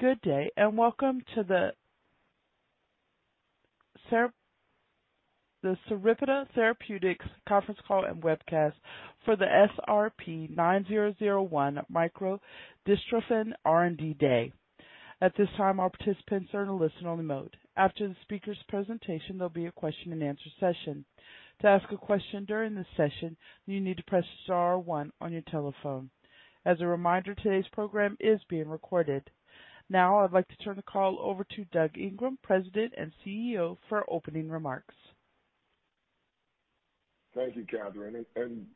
Good day, and welcome to the Sarepta Therapeutics Conference Call and webcast for the SRP-9001 Microdystrophin R&D Day. At this time all participants are in listen only mode. After the speaker's presentation they'll be a question and answer session. To ask a question during the session, you need to press star one on your telephone. As a reminder this today's program is being recorded. Now, I'd like to turn the call over to Douglas Ingram, President and CEO, for opening remarks. Thank you, Catherine.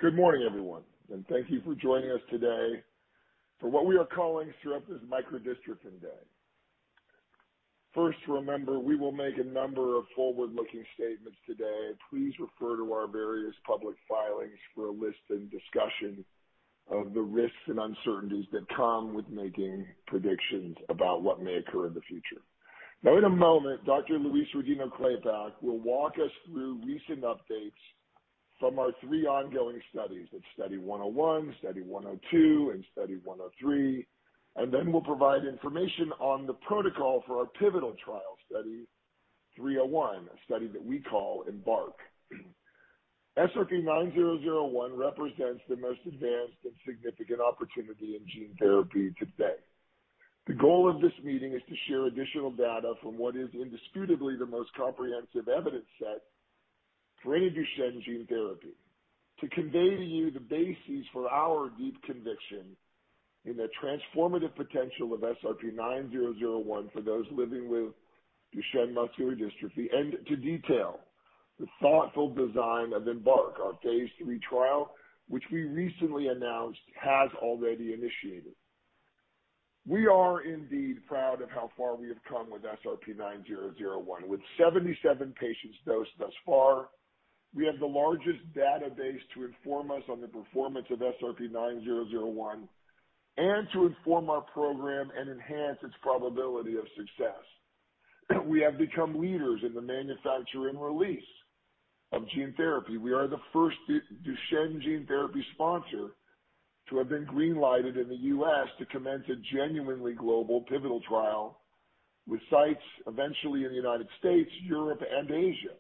Good morning, everyone. Thank you for joining us today for what we are calling Sarepta's Microdystrophin Day. First, remember, we will make a number of forward-looking statements today. Please refer to our various public filings for a list and discussion of the risks and uncertainties that come with making predictions about what may occur in the future. In a moment, Dr. Louise Rodino-Klapac will walk us through recent updates from our three ongoing studies: Study 101, Study 102, and Study 103, and then we'll provide information on the protocol for our pivotal trial, Study 301, a study that we call EMBARK. SRP-9001 represents the most advanced and significant opportunity in gene therapy to date. The goal of this meeting is to share additional data from what is indisputably the most comprehensive evidence set for any Duchenne gene therapy to convey to you the basis for our deep conviction in the transformative potential of SRP-9001 for those living with Duchenne muscular dystrophy and to detail the thoughtful design of EMBARK, our phase III trial, which we recently announced has already initiated. We are indeed proud of how far we have come with SRP-9001. With 77 patients dosed thus far, we have the largest database to inform us on the performance of SRP-9001 and to inform our program and enhance its probability of success. We have become leaders in the manufacture and release of gene therapy. We are the first Duchenne gene therapy sponsor to have been green-lighted in the U.S. to commence a genuinely global pivotal trial with sites eventually in the United States, Europe, and Asia.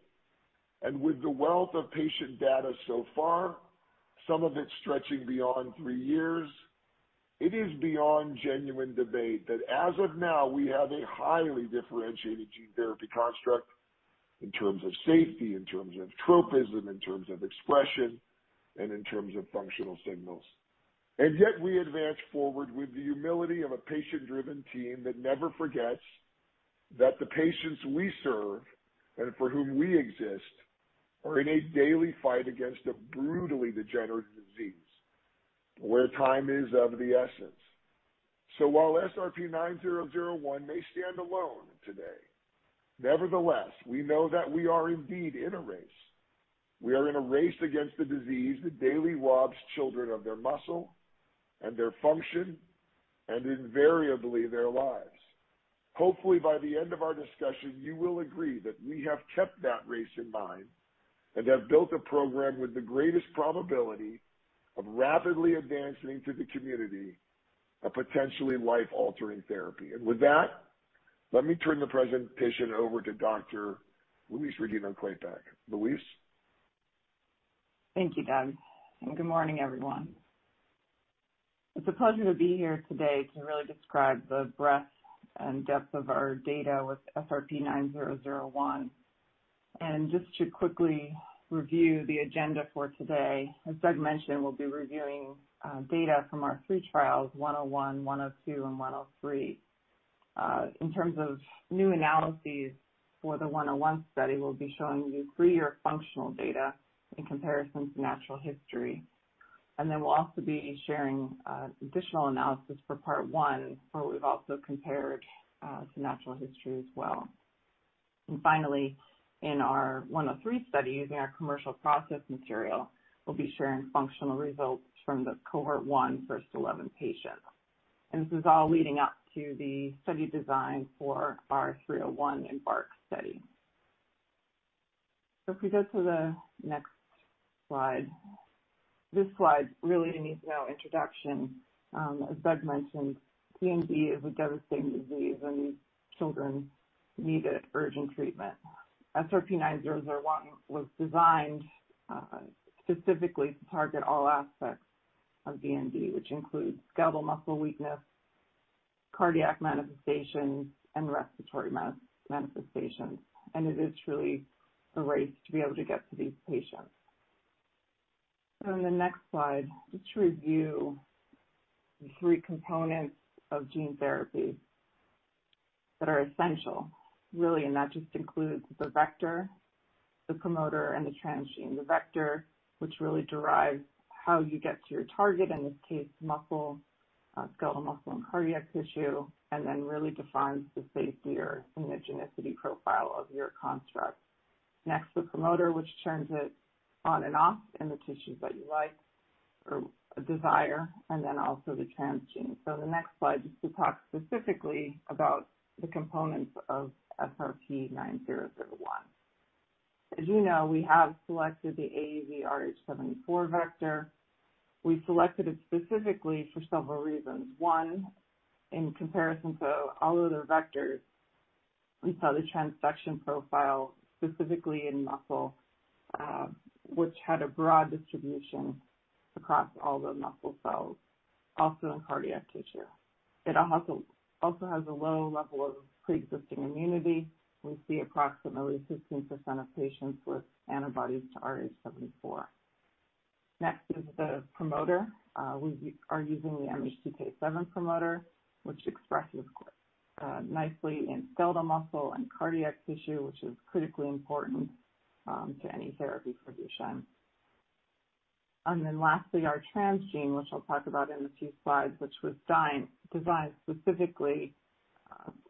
With the wealth of patient data so far, some of it stretching beyond three years, it is beyond genuine debate that as of now, we have a highly differentiated gene therapy construct in terms of safety, in terms of tropism, in terms of expression, and in terms of functional signals. Yet we advance forward with the humility of a patient-driven team that never forgets that the patients we serve, and for whom we exist, are in a daily fight against a brutally degenerative disease where time is of the essence. While SRP-9001 may stand alone today, nevertheless, we know that we are indeed in a race. We are in a race against a disease that daily robs children of their muscle and their function, and invariably their lives. Hopefully, by the end of our discussion, you will agree that we have kept that race in mind and have built a program with the greatest probability of rapidly advancing to the community a potentially life-altering therapy. With that, let me turn the presentation over to Dr. Louise Rodino-Klapac. Louise? Thank you, Doug, and good morning, everyone. It's a pleasure to be here today to really describe the breadth and depth of our data with SRP-9001. Just to quickly review the agenda for today, as Doug mentioned, we'll be reviewing data from our three trials, 101, 102, and 103. In terms of new analyses for the Study 101, we'll be showing you three-year functional data in comparison to natural history. We'll also be sharing additional analysis for part one, where we've also compared to natural history as well. Finally, in our Study 103, using our commercial process material, we'll be sharing functional results from the cohort one first 11 patients. This is all leading up to the study design for our 301 EMBARK study. If we go to the next slide. This slide really needs no introduction. As Doug mentioned, DMD is a devastating disease, and children need urgent treatment. SRP-9001 was designed specifically to target all aspects of DMD, which includes skeletal muscle weakness, cardiac manifestations, and respiratory manifestations. It is truly a race to be able to get to these patients. On the next slide, just to review the three components of gene therapy that are essential, really, and that just includes the vector, the promoter, and the transgene. The vector, which really derives how you get to your target, in this case, skeletal muscle and cardiac tissue, and then really defines the safety or immunogenicity profile of your construct. Next, the promoter, which turns it on and off in the tissues that you like or desire, and then also the transgene. The next slide is to talk specifically about the components of SRP-9001. As you know, we have selected the AAVrh74 vector. We selected it specifically for several reasons. One, in comparison to all other vectors, we saw the transfection profile, specifically in muscle, which had a broad distribution across all the muscle cells, also in cardiac tissue. It also has a low level of preexisting immunity. We see approximately 15% of patients with antibodies to rh74. Next is the promoter. We are using the MHCK7 promoter, which expresses nicely in skeletal muscle and cardiac tissue, which is critically important to any therapy for Duchenne. Lastly, our transgene, which I'll talk about in a few slides, which was designed specifically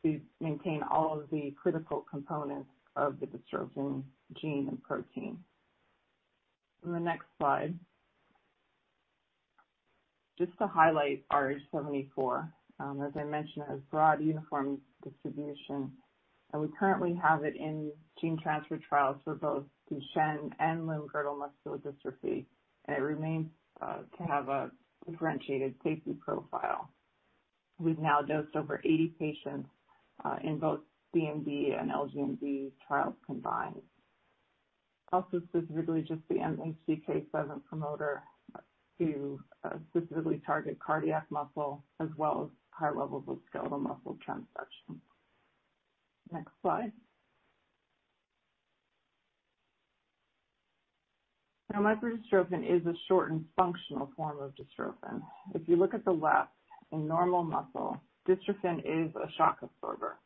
to maintain all of the critical components of the dystrophin gene and protein. On the next slide. To highlight rh74. As I mentioned, it has broad uniform distribution. We currently have it in gene transfer trials for both Duchenne and limb-girdle muscular dystrophy. It remains to have a differentiated safety profile. We've now dosed over 80 patients in both DMD and LGMD trials combined. Specifically just the MHCK7 promoter to specifically target cardiac muscle as well as high levels of skeletal muscle transfection. Next slide. Microdystrophin is a shortened functional form of dystrophin. If you look at the left, in normal muscle, dystrophin is a shock absorber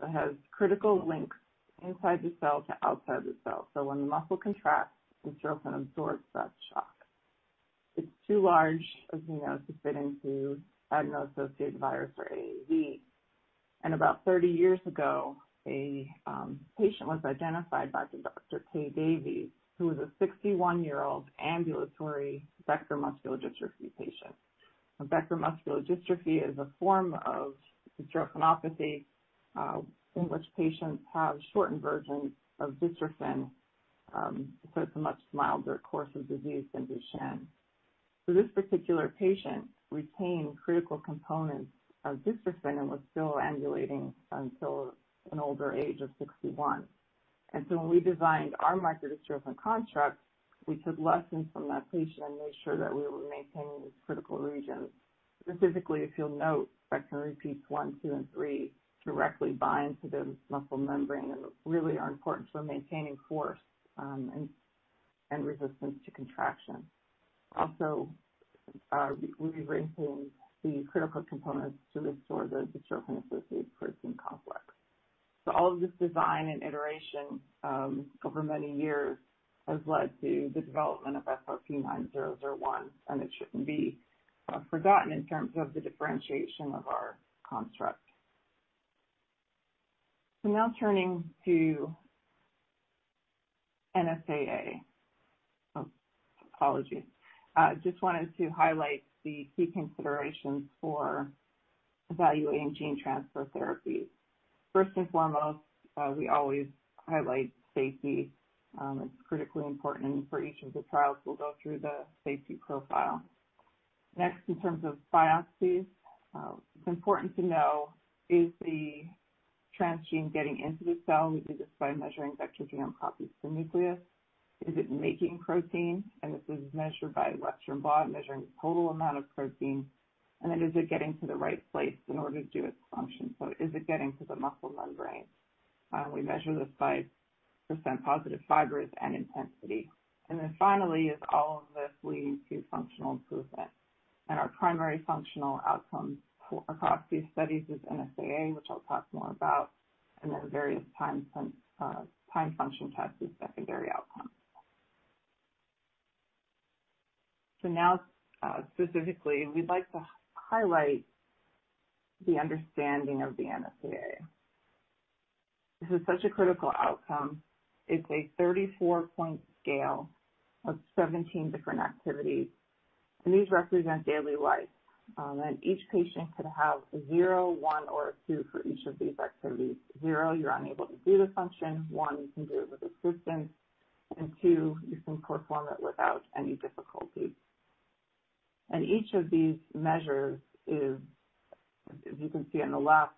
that has critical links inside the cell to outside the cell. When the muscle contracts, dystrophin absorbs that shock. It's too large, as you know, to fit into adeno-associated virus or AAV. About 30 years ago, a patient was identified by Dr. Kay Davies, who was a 61-year-old ambulatory Becker muscular dystrophy patient. Becker muscular dystrophy is a form of dystrophinopathy, in which patients have shortened versions of dystrophin. It's a much milder course of disease than Duchenne. This particular patient retained critical components of dystrophin and was still ambulating until an older age of 61. When we designed our microdystrophin construct, we took lessons from that patient and made sure that we were maintaining these critical regions. Specifically, if you'll note, spectrin repeats one, two, and three directly bind to the muscle membrane and really are important for maintaining force and resistance to contraction. Also, we've retained the critical components to restore the dystrophin-associated protein complex. All of this design and iteration over many years has led to the development of SRP-9001, and it shouldn't be forgotten in terms of the differentiation of our construct. Now turning to NSAA. Apologies. Just wanted to highlight the key considerations for evaluating gene transfer therapy. First and foremost, we always highlight safety. It's critically important, and for each of the trials, we'll go through the safety profile. Next, in terms of biopsies, it's important to know if the transgene getting into the cell, we do this by measuring vector genome copies per nucleus. Is it making protein? This is measured by Western blot, measuring the total amount of protein. Is it getting to the right place in order to do its function? Is it getting to the muscle membrane? We measure this by percent positive fibers and intensity. Finally is all of this leading to functional improvement. Our primary functional outcome across these studies is NSAA, which I'll talk more about, and then various time function tests as secondary outcomes. Now, specifically, we'd like to highlight the understanding of the NSAA. This is such a critical outcome. It's a 34-point scale of 17 different activities, these represent daily life. Each patient could have zero, one, or two for each of these activities. Zero, you're unable to do the function. One, you can do it with assistance. Two, you can perform it without any difficulty. Each of these measures is, as you can see on the left,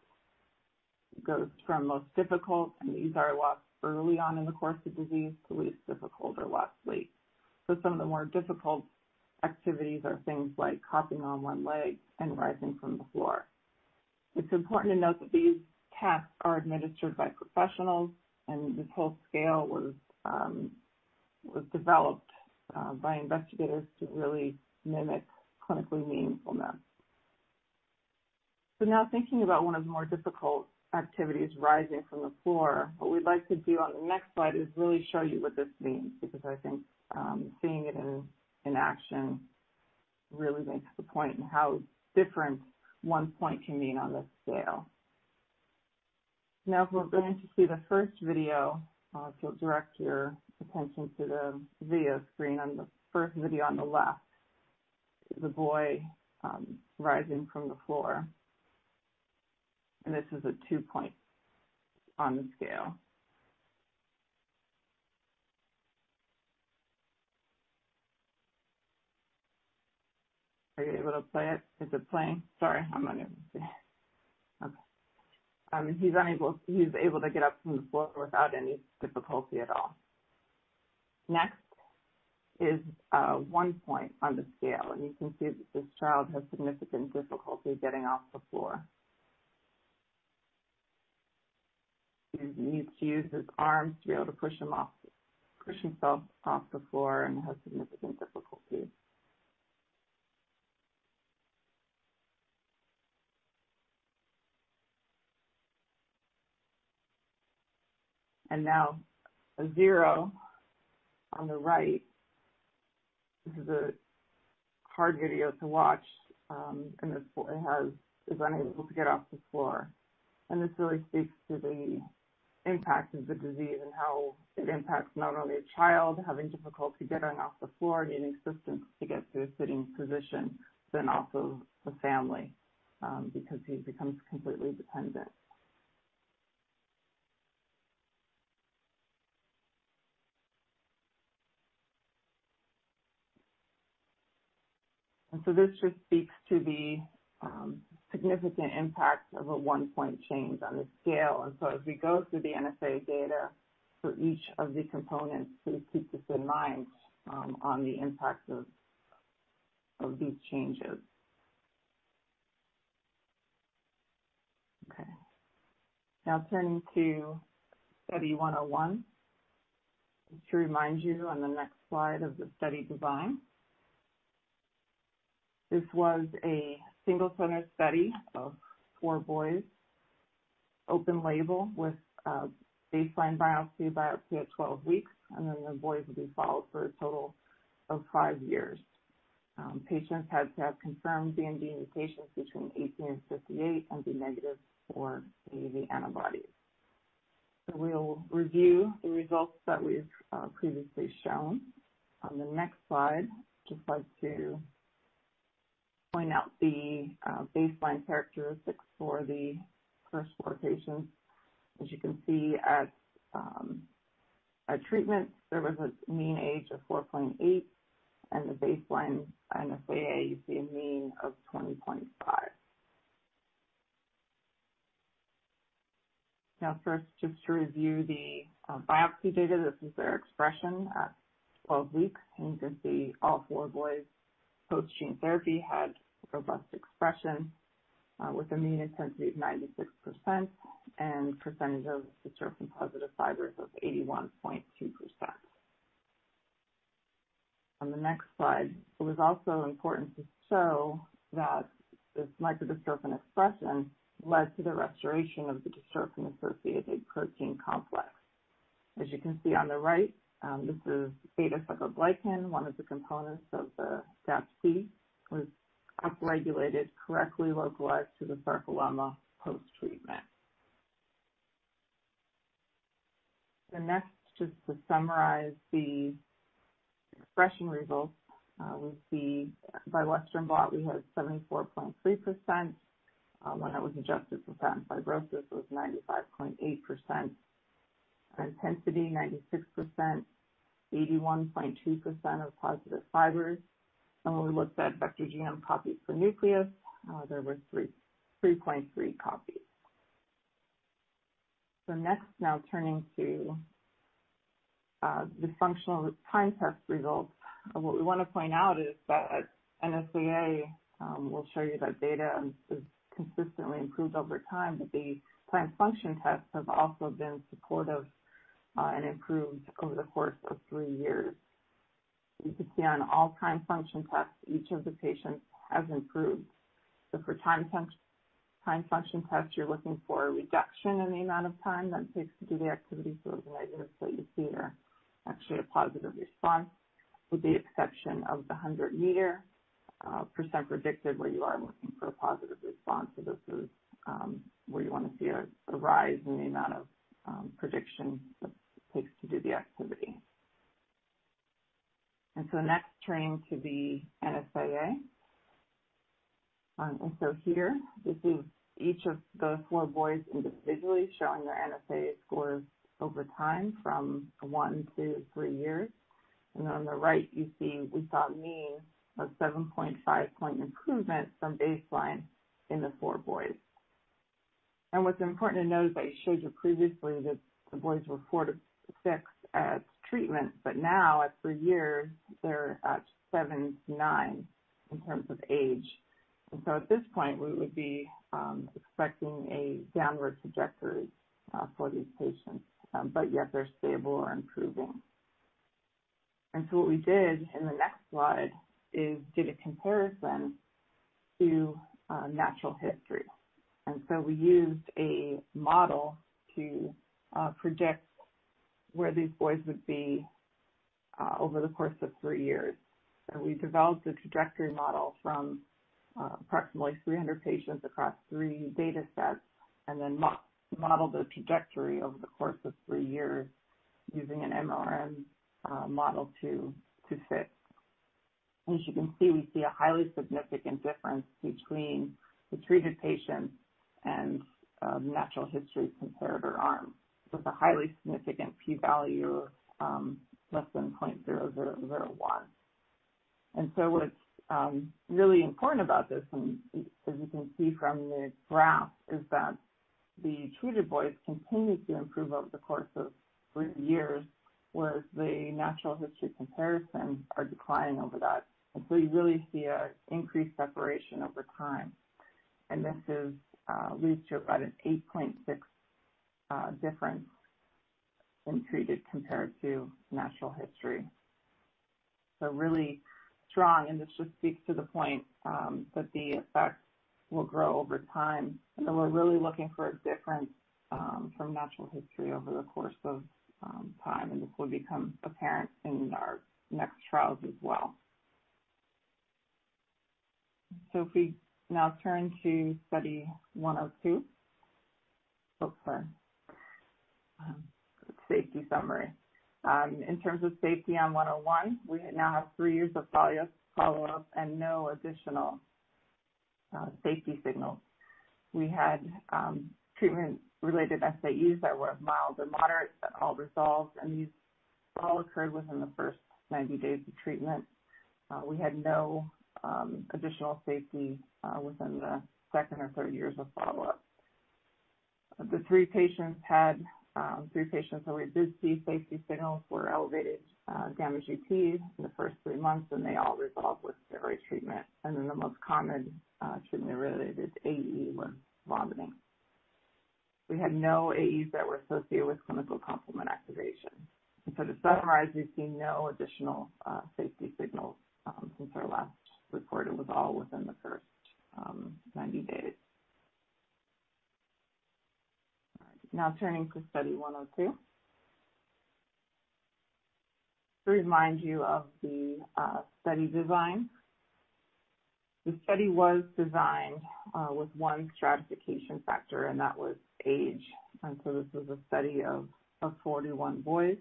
goes from most difficult, these are lost early on in the course of disease, to least difficult or lost late. Some of the more difficult activities are things like hopping on one leg and rising from the floor. It's important to note that these tasks are administered by professionals, this whole scale was developed by investigators to really mimic clinically meaningfulness. Now thinking about one of the more difficult activities, rising from the floor, what we'd like to do on the next slide is really show you what this means, because I think seeing it in action really makes the point in how different 1 point can mean on this scale. If we're going to see the first video, if you'll direct your attention to the video screen on the first video on the left, the boy rising from the floor. This is a 2 point on the scale. Are you able to play it? Is it playing? Sorry, I'm going to see. Okay. He's able to get up from the floor without any difficulty at all. Next is 1 point on the scale, you can see that this child has significant difficulty getting off the floor. He needs to use his arms to be able to push himself off the floor and has significant difficulty. Now a zero on the right. This is a hard video to watch, this boy is unable to get off the floor. This really speaks to the impact of the disease and how it impacts not only a child having difficulty getting off the floor, needing assistance to get to a sitting position, also the family, because he becomes completely dependent. This just speaks to the significant impact of a 1-point change on the scale. As we go through the NSAA data for each of the components, please keep this in mind on the impact of these changes. Okay. Now turning to Study 101, just to remind you on the next slide of the study design. This was a single-center study of four boys, open label with baseline biopsy at 12 weeks, and then the boys would be followed for a total of five years. Patients had to have confirmed DMD mutations between 18 and 58 and be negative for AAV antibodies. We'll review the results that we've previously shown. On the next slide, I'd just like to point out the baseline characteristics for the first four patients. As you can see at treatment, there was a mean age of 4.8 and the baseline NSAA, you see a mean of 20.5. First, just to review the biopsy data. This is their expression at 12 weeks. You can see all four boys post-gene therapy had robust expression with a mean intensity of 96% and percentage of dystrophin-positive fibers of 81.2%. On the next slide, it was also important to show that this microdystrophin expression led to the restoration of the dystrophin-associated protein complex. As you can see on the right, this is beta-sarcoglycan, one of the components of the DAPC, was upregulated correctly localized to the sarcolemma post-treatment. Next, just to summarize the expression results. We see by Western blot we had 74.3%. When it was adjusted for fat and fibrosis, it was 95.8%. Intensity, 96%, 81.2% of positive fibers. When we looked at vector genome copies per nucleus, there were 3.3 copies. Next, now turning to the functional time test results. What we want to point out is that NSAA will show you that data has consistently improved over time, the planned function tests have also been supportive and improved over the course of three years. You can see on all time function tests, each of the patients has improved. For time function tests, you're looking for a reduction in the amount of time that it takes to do the activity. Those negatives that you see are actually a positive response, with the exception of the 100 m percent predicted, where you are looking for a positive response. This is where you want to see a rise in the amount of prediction that it takes to do the activity. Next, turning to the NSAA. Here, this is each of the four boys individually showing their NSAA scores over time from one to three years. On the right, you see we saw a mean of 7.5 point improvement from baseline in the four boys. What's important to note is I showed you previously that the boys were four to six at treatment, but now at three years, they're at seven to nine in terms of age. At this point, we would be expecting a downward trajectory for these patients. Yet they're stable or improving. What we did in the next slide is did a comparison to natural history. We used a model to predict where these boys would be over the course of three years. We developed a trajectory model from approximately 300 patients across three data sets, then modeled the trajectory over the course of three years using an MMRM model to fit. As you can see, we see a highly significant difference between the treated patients and natural history comparator arm with a highly significant P value less than 0.0001. What's really important about this, and as you can see from the graph, is that the treated boys continued to improve over the course of three years, whereas the natural history comparison are declining over that. You really see an increased separation over time. This leads to about an 8.6 difference in treated compared to natural history. Really strong. This just speaks to the point that the effects will grow over time. We're really looking for a difference from natural history over the course of time, and this will become apparent in our next trials as well. If we now turn to Study 102. For safety summary. In terms of safety on 101, we now have three years of follow-up and no additional safety signals. We had treatment-related SAEs that were mild to moderate, that all resolved, and these all occurred within the first 90 days of treatment. We had no additional safety within the second or third years of follow-up. The three patients where we did see safety signals were elevated gamma GT in the first three months. They all resolved with steroid treatment. The most common treatment-related AE was vomiting. We had no AEs that were associated with clinical complement activation. To summarize, we've seen no additional safety signals since our last report. It was all within the first 90 days. All right, now turning to Study 102. To remind you of the study design. The study was designed with one stratification factor, and that was age. This was a study of 41 boys,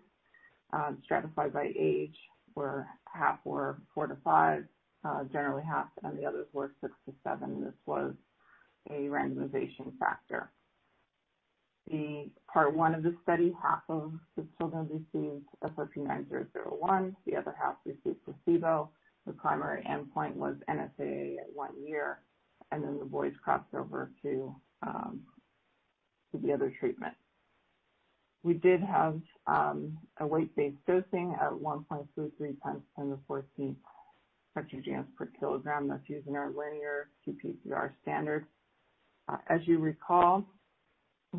stratified by age, where half were four to five, generally half, and the others were six to seven. This was a randomization factor. The part one of the study, half of the children received SRP-9001, the other half received placebo. The primary endpoint was NSAA at one year, and then the boys crossed over to the other treatment. We did have a weight-based dosing at 1.33x 10 to the 14th metric units per kilogram. That's using our linear qPCR standard. As you recall,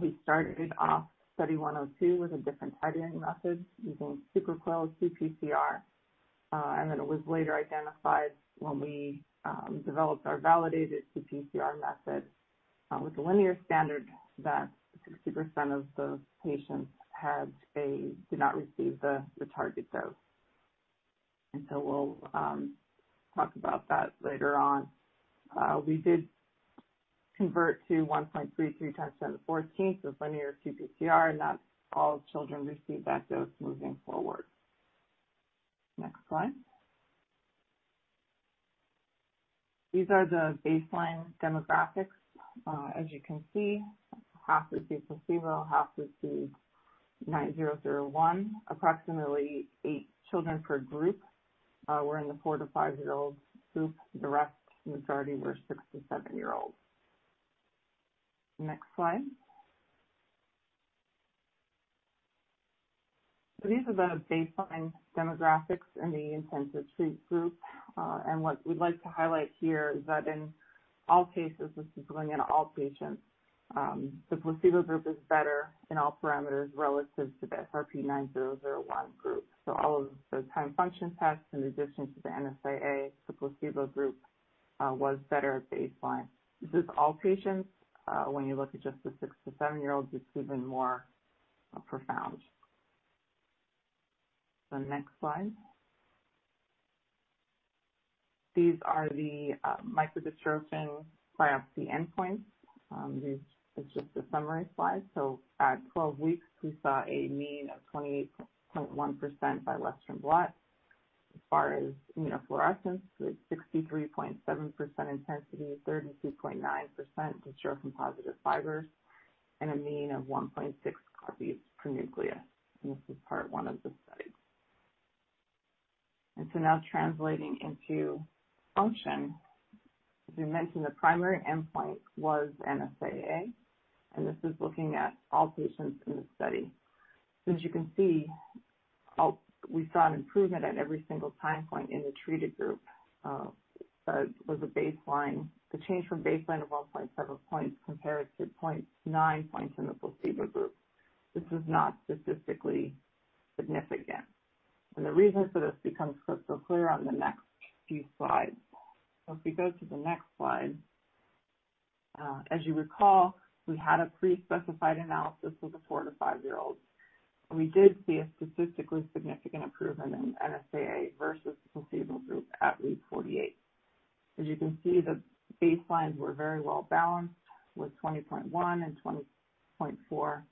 we started off Study 102 with a different titrating method using supercoiled qPCR. It was later identified when we developed our validated qPCR method with the linear standard that 60% of those patients did not receive the target dose. We'll talk about that later on. We did convert to 1.33x 10^14th, so linear qPCR, and that all children received that dose moving forward. Next slide. These are the baseline demographics. As you can see, half received placebo, half received 9001. Approximately eight children per group were in the four to five-year-old group. The rest, majority, were six to seven-year-old. Next slide. These are the baseline demographics in the intent-to-treat group. What we'd like to highlight here is that in all cases, this is looking at all patients. The placebo group is better in all parameters relative to the SRP-9001 group. All of the time function tests, in addition to the NSAA, the placebo group was better at baseline. This is all patients. When you look at just the six to seven-year-olds, it's even more profound. Next slide. These are the microdystrophin biopsy endpoints. This is just a summary slide. At 12 weeks, we saw a mean of 28.1% by Western blot. As far as immunofluorescence, with 63.7% intensity, 32.9% dystrophin-positive fibers, and a mean of 1.6 copies per nucleus. This is part one of the study. Now translating into function. As we mentioned, the primary endpoint was NSAA. This is looking at all patients in the study. As you can see, we saw an improvement at every single time point in the treated group. The change from baseline of 1.7 points compared to 0.9 points in the placebo group. This is not statistically significant. The reason for this becomes crystal clear on the next few slides. If we go to the next slide. As you recall, we had a pre-specified analysis with the four to five-year-old. We did see a statistically significant improvement in NSAA versus the placebo group at week 48. As you can see, the baselines were very well-balanced with 20.1 and 20.4,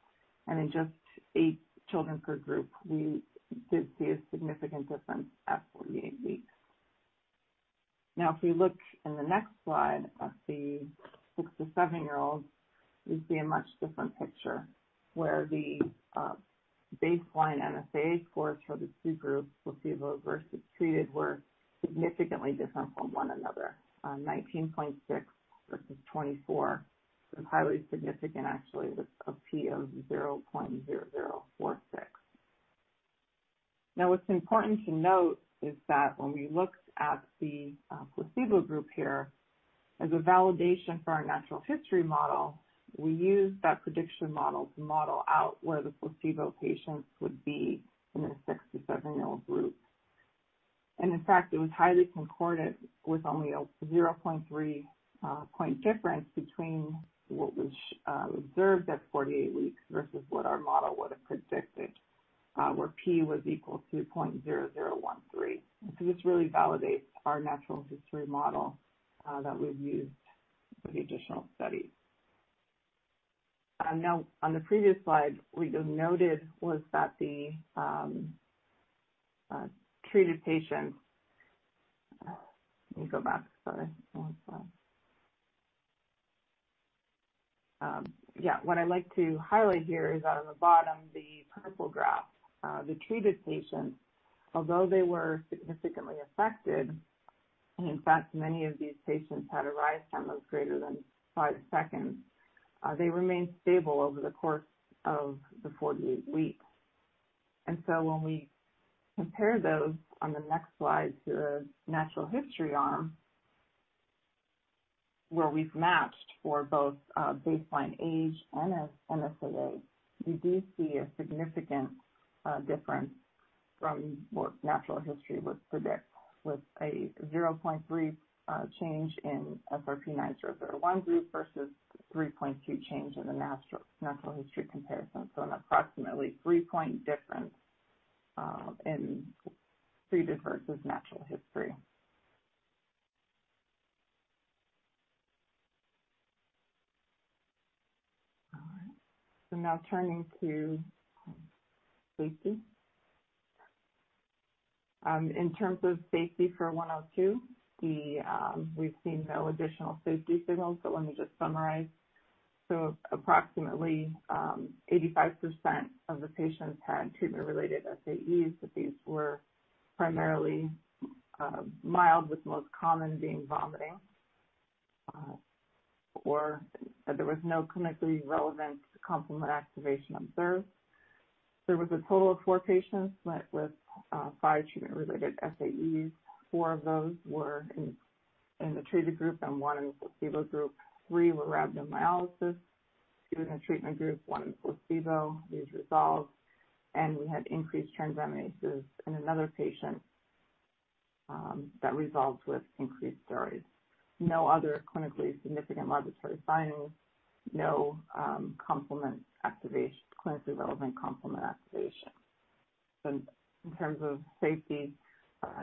and in just eight children per group, we did see a significant difference at 48 weeks. If we look in the next slide of the six to seven-year-old, we see a much different picture, where the baseline NSAA scores for the two groups, placebo versus treated, were significantly different from one another, 19.6 versus 24. It was highly significant, actually, with a P of 0.0046. What's important to note is that when we looked at the placebo group here as a validation for our natural history model, we used that prediction model to model out where the placebo patients would be in the six to seven-year-old group. In fact, it was highly concordant with only a 0.3-point difference between what was observed at 48 weeks versus what our model would have predicted, where P was equal to 0.0013. This really validates our natural history model that we've used for the additional studies. Now, on the previous slide, what we noted was that the treated patients Let me go back. Sorry, one slide. Yeah. What I'd like to highlight here is on the bottom, the purple graph. The treated patients, although they were significantly affected, and in fact, many of these patients had a rise time of greater than five seconds, they remained stable over the course of the 48 weeks. When we compare those on the next slide to the natural history arm, where we've matched for both baseline age and NSAA, we do see a significant difference from what natural history would predict, with a 0.3 change in SRP-9001 group versus 3.2 change in the natural history comparison. An approximately 3-point difference in treated versus natural history. Now turning to safety. In terms of safety for Study 102, we've seen no additional safety signals. Let me just summarize. Approximately 85% of the patients had treatment-related SAEs. These were primarily mild, with the most common being vomiting. There was no clinically relevant complement activation observed. There was a total of four patients with five treatment-related SAEs. Four of those were in the treated group and 1 in the placebo group. Three were rhabdomyolysis, two in the treatment group, one in placebo. These resolved. We had increased transaminases in another patient that resolved with increased steroids. No other clinically significant laboratory findings. No clinically relevant complement activation. In terms of safety,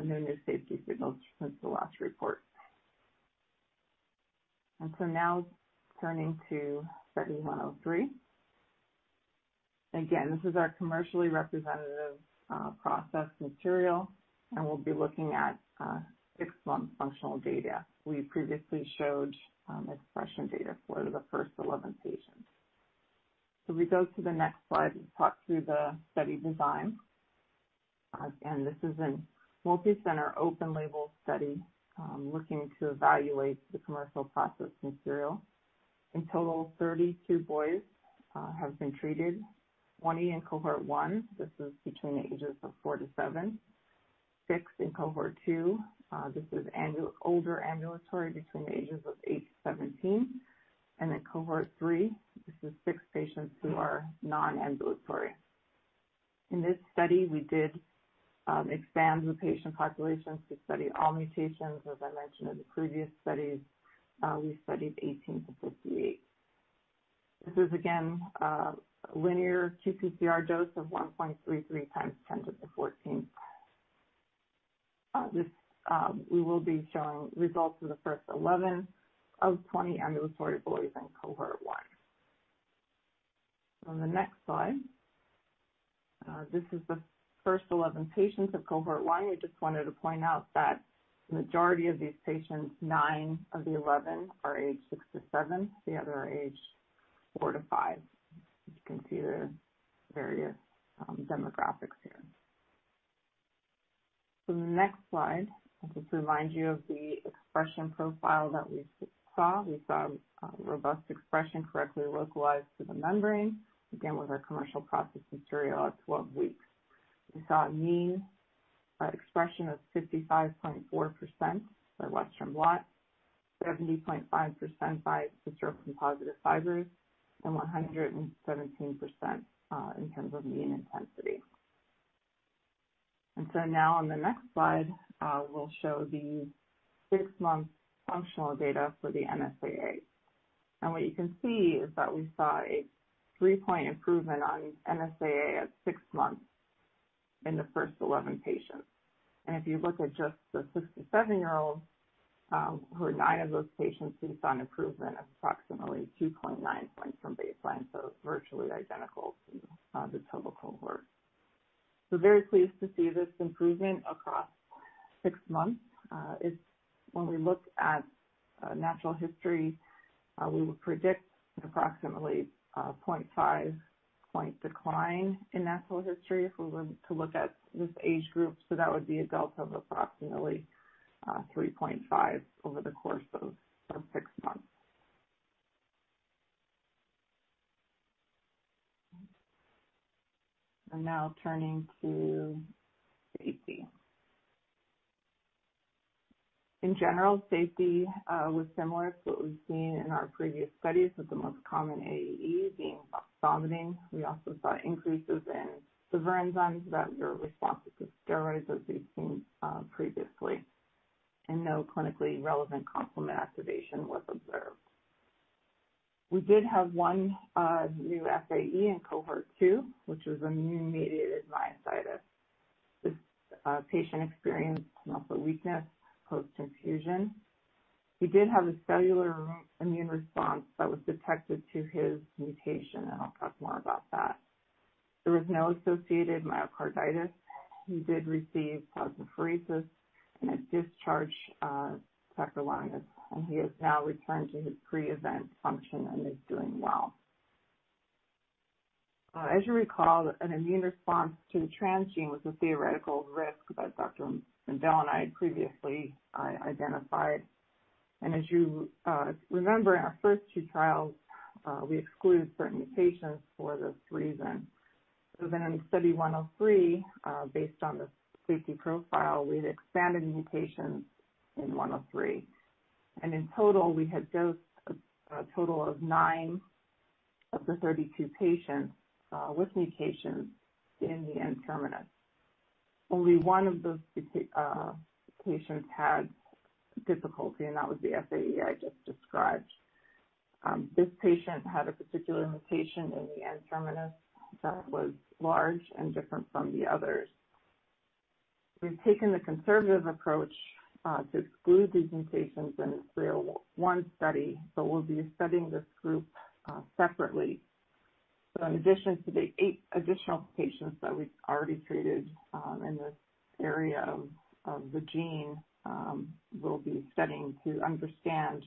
no new safety signals since the last report. Now turning to Study 103. Again, this is our commercially representative processed material, and we'll be looking at six-month functional data. We previously showed expression data for the first 11 patients. We go to the next slide and talk through the study design. Again, this is a multi-center, open-label study looking to evaluate the commercial processed material. In total, 32 boys have been treated, 20 in Cohort one. This is between the ages of four to seven. Six in Cohort two. This is older ambulatory between the ages of 8 to 17. Cohort three, this is six patients who are non-ambulatory. In this study, we did expand the patient population to study all mutations. As I mentioned in the previous studies, we studied 18 to 58. This is, again, a linear qPCR dose of 1.33x 10 to the 14th. We will be showing results for the first 11 of 20 ambulatory boys in Cohort one. On the next slide, this is the first 11 patients of Cohort one. We just wanted to point out that the majority of these patients, nine of the 11, are age six to seven. The other are age four to five. As you can see, the various demographics here. The next slide, I'll just remind you of the expression profile that we saw. We saw robust expression correctly localized to the membrane, again, with our commercial processed material at 12 weeks. We saw a mean expression of 55.4% by Western blot, 70.5% by dystrophin-positive fibers, and 117% in terms of mean intensity. Now on the next slide, we'll show the six-month functional data for the NSAA. What you can see is that we saw a 3-point improvement on NSAA at six months in the first 11 patients. If you look at just the 67-year-olds, who are nine of those patients, we saw an improvement of approximately 2.9 points from baseline. Virtually identical to the total cohort. We're very pleased to see this improvement across six months. When we look at natural history, we would predict an approximately 0.5-point decline in natural history if we were to look at this age group, so that would be adults of approximately 3.5 over the course of six months. Now turning to safety. In general, safety was similar to what we've seen in our previous studies, with the most common AE being vomiting. We also saw increases in serum enzymes that were responsive to steroids as we've seen previously, and no clinically relevant complement activation was observed. We did have one new SAE in cohort two, which was immune-mediated myositis. This patient experienced muscle weakness post-infusion. He did have a cellular immune response that was detected to his mutation, and I'll talk more about that. There was no associated myocarditis. He did receive plasmapheresis and at discharge, tacrolimus, and he has now returned to his pre-event function and is doing well. As you recall, an immune response to the transgene was a theoretical risk that Dr. Mendell and I had previously identified. As you remember, in our first two trials, we excluded certain mutations for this reason. In Study 103, based on the safety profile, we had expanded mutations in 103. In total, we had dosed a total of nine of the 32 patients with mutations in the N-terminus. Only one of those patients had difficulty, and that was the SAE I just described. This patient had a particular mutation in the N-terminus that was large and different from the others. We've taken the conservative approach to exclude these mutations in the 301 study, but we'll be studying this group separately. In addition to the eight additional patients that we've already treated in this area of the gene, we'll be studying to understand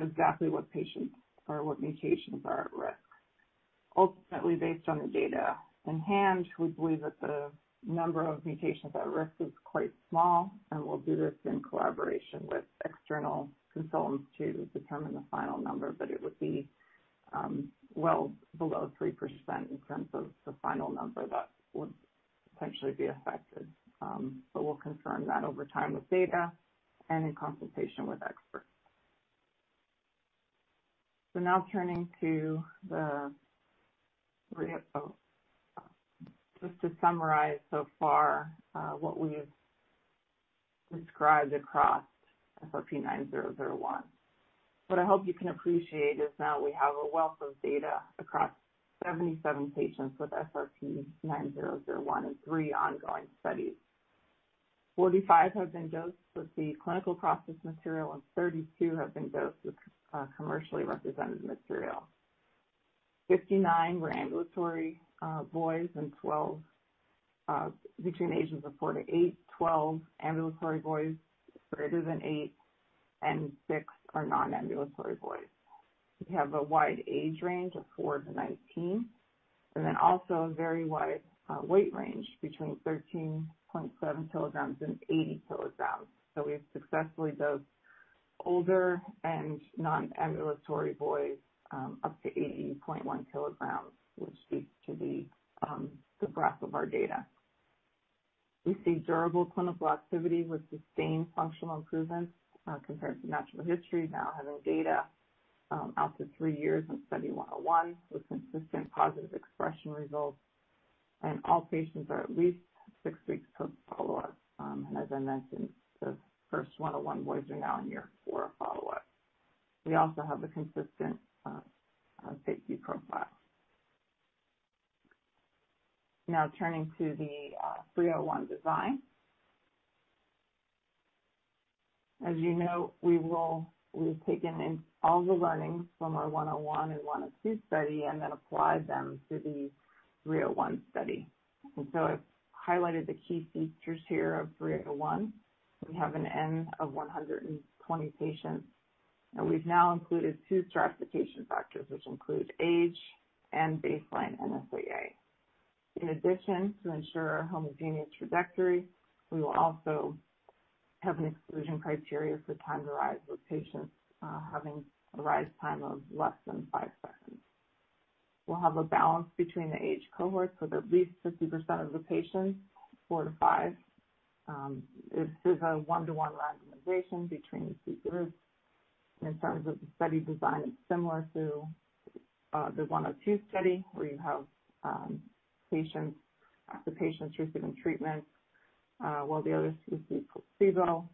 exactly what patients or what mutations are at risk. Based on the data in hand, we believe that the number of mutations at risk is quite small, and we'll do this in collaboration with external consultants to determine the final number, but it would be well below 3% in terms of the final number that would potentially be affected. We'll confirm that over time with data and in consultation with experts. Now turning to the recap. Just to summarize so far what we've described across SRP-9001. What I hope you can appreciate is now we have a wealth of data across 77 patients with SRP-9001 in three ongoing studies. 45 have been dosed with the clinical process material, and 32 have been dosed with commercially represented material. 59 were ambulatory boys between the ages of four to eight, 12 ambulatory boys greater than eight, and six are non-ambulatory boys. We have a wide age range of 4-19. Also, a very wide weight range between 13.7 kg and 80 kg. We've successfully dosed older and non-ambulatory boys up to 80.1 kg, which speaks to the breadth of our data. We see durable clinical activity with sustained functional improvements compared to natural history, now having data out to three years in Study 101 with consistent positive expression results. All patients are at least six weeks post follow-up. As I mentioned, the first 101 boys are now in year four follow-up. We also have a consistent safety profile. Now turning to the 301 design. As you know, we've taken in all the learnings from our Study 101 and 102 study and applied them to the Study 301. I've highlighted the key features here of Study 301. We have an N of 120 patients, and we've now included two stratification factors, which include age and baseline NSAA. In addition, to ensure a homogeneous trajectory, we will also have an exclusion criteria for time to rise with patients having a rise time of less than five seconds. We'll have a balance between the age cohorts, with at least 50% of the patients four to five. This is a one to one randomization between the two groups. In terms of the study design, it's similar to the Study 102, where you have after patients receiving treatment, while the other two receive placebo.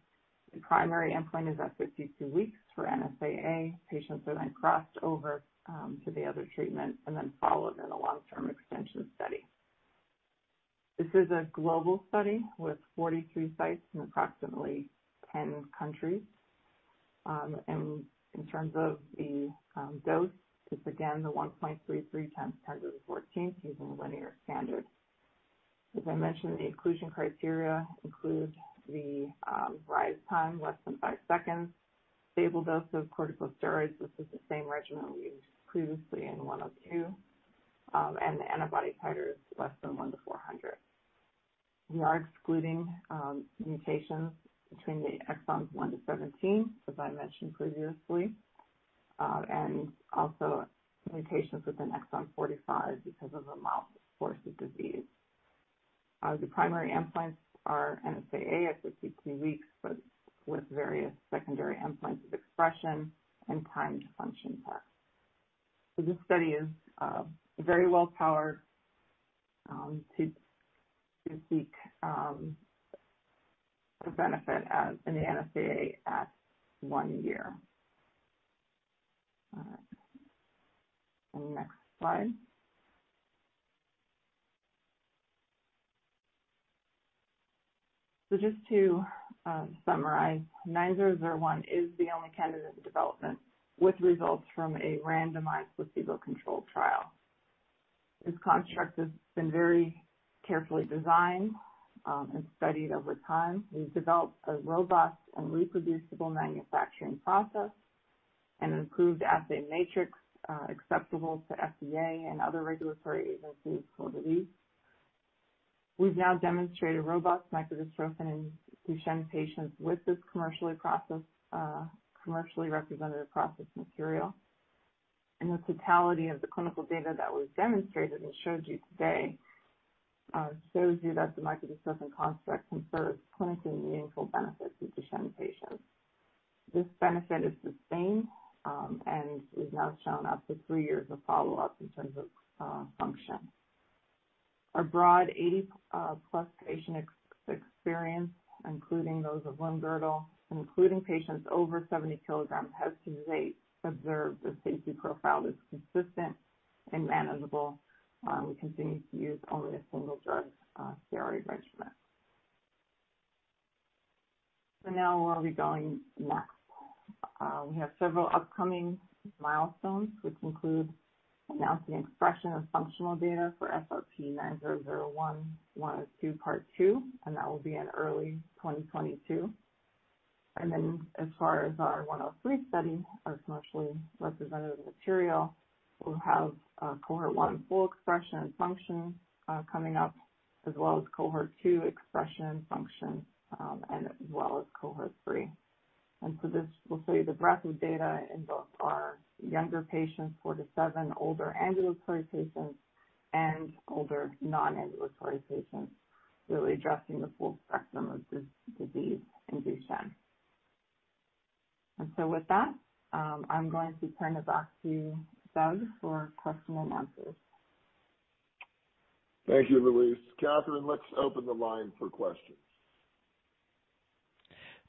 The primary endpoint is at 52 weeks for NSAA. Patients are then crossed over to the other treatment and then followed in a long-term extension study. This is a global study with 43 sites in approximately 10 countries. In terms of the dose, it's again the 1.33x 10 to the 14th using linear qPCR. As I mentioned, the inclusion criteria include the rise time, less than five seconds, stable dose of corticosteroids. This is the same regimen we used previously in 102, and the antibody titer is less than 1 to 400. We are excluding mutations between the exons 1 to 17, as I mentioned previously, and also mutations within exon 45 because of the mild course of disease. The primary endpoints are NSAA at 52 weeks, but with various secondary endpoints of expression and primed function tests. This study is very well powered to seek the benefit as in the NSAA at one year. All right. Next slide. Just to summarize, 9001 is the only candidate in development with results from a randomized placebo-controlled trial. This construct has been very carefully designed and studied over time. We've developed a robust and reproducible manufacturing process and an improved assay matrix acceptable to FDA and other regulatory agencies for release. We've now demonstrated robust microdystrophin in Duchenne patients with this commercially representative processed material. The totality of the clinical data that was demonstrated and showed you today shows you that the microdystrophin construct confers clinically meaningful benefits to Duchenne patients. This benefit is sustained and is now shown out to three years of follow-up in terms of function. Our broad 80+ patient experience, including those with limb-girdle and including patients over 70 kg, has to date observed a safety profile that's consistent and manageable. We continue to use only a single drug corticosteroid regimen. Now, where are we going next? We have several upcoming milestones, which include announcing expression of functional data for SRP-9001-102 part two. That will be in early 2022. As far as our Study 103, our commercially representative material, we'll have cohort one full expression and function coming up, as well as cohort two expression function, and as well as cohort three. This will show you the breadth of data in both our younger patients, four to seven, older ambulatory patients, and older non-ambulatory patients, really addressing the full spectrum of this disease in Duchenne. With that, I'm going to turn it back to Douglas for question and answers. Thank you, Louise. Catherine, let's open the line for questions.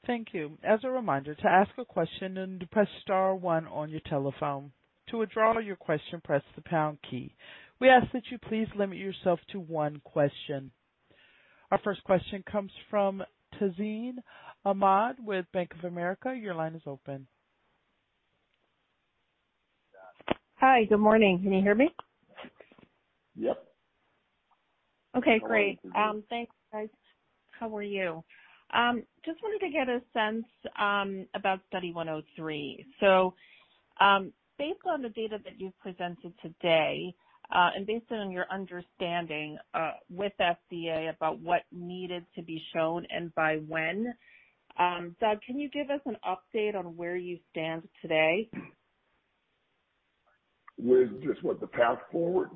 Thank you. As a reminder, to ask a question, press star one on your telephone. To withdraw your question, press the pound key. We ask that you please limit yourself to one question. Our first question comes from Tazeen Ahmad with Bank of America. Your line is open. Hi. Good morning. Can you hear me? Yep. Okay, great. Thanks, guys. How are you? Just wanted to get a sense about Study 103. Based on the data that you've presented today, and based on your understanding with FDA about what needed to be shown and by when, Doug, can you give us an update on where you stand today? With just what? The path forward?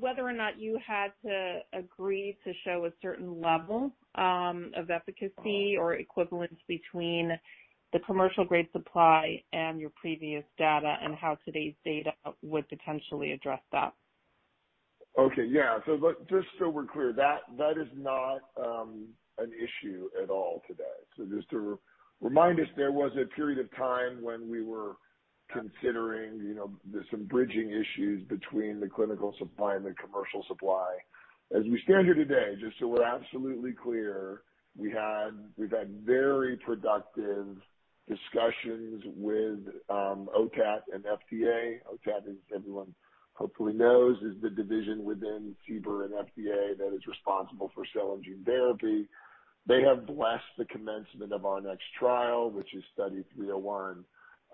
Whether or not you had to agree to show a certain level of efficacy or equivalence between the commercial grade supply and your previous data, and how today's data would potentially address that. Okay. Yeah. Just so we're clear, that is not an issue at all today. Just to remind us, there was a period of time when we were considering some bridging issues between the clinical supply and the commercial supply. As we stand here today, just so we're absolutely clear, we've had very productive discussions with OCAT and FDA. OCAT, as everyone hopefully knows, is the division within CBER and FDA that is responsible for cell and gene therapy. They have blessed the commencement of our next trial, which is Study 301,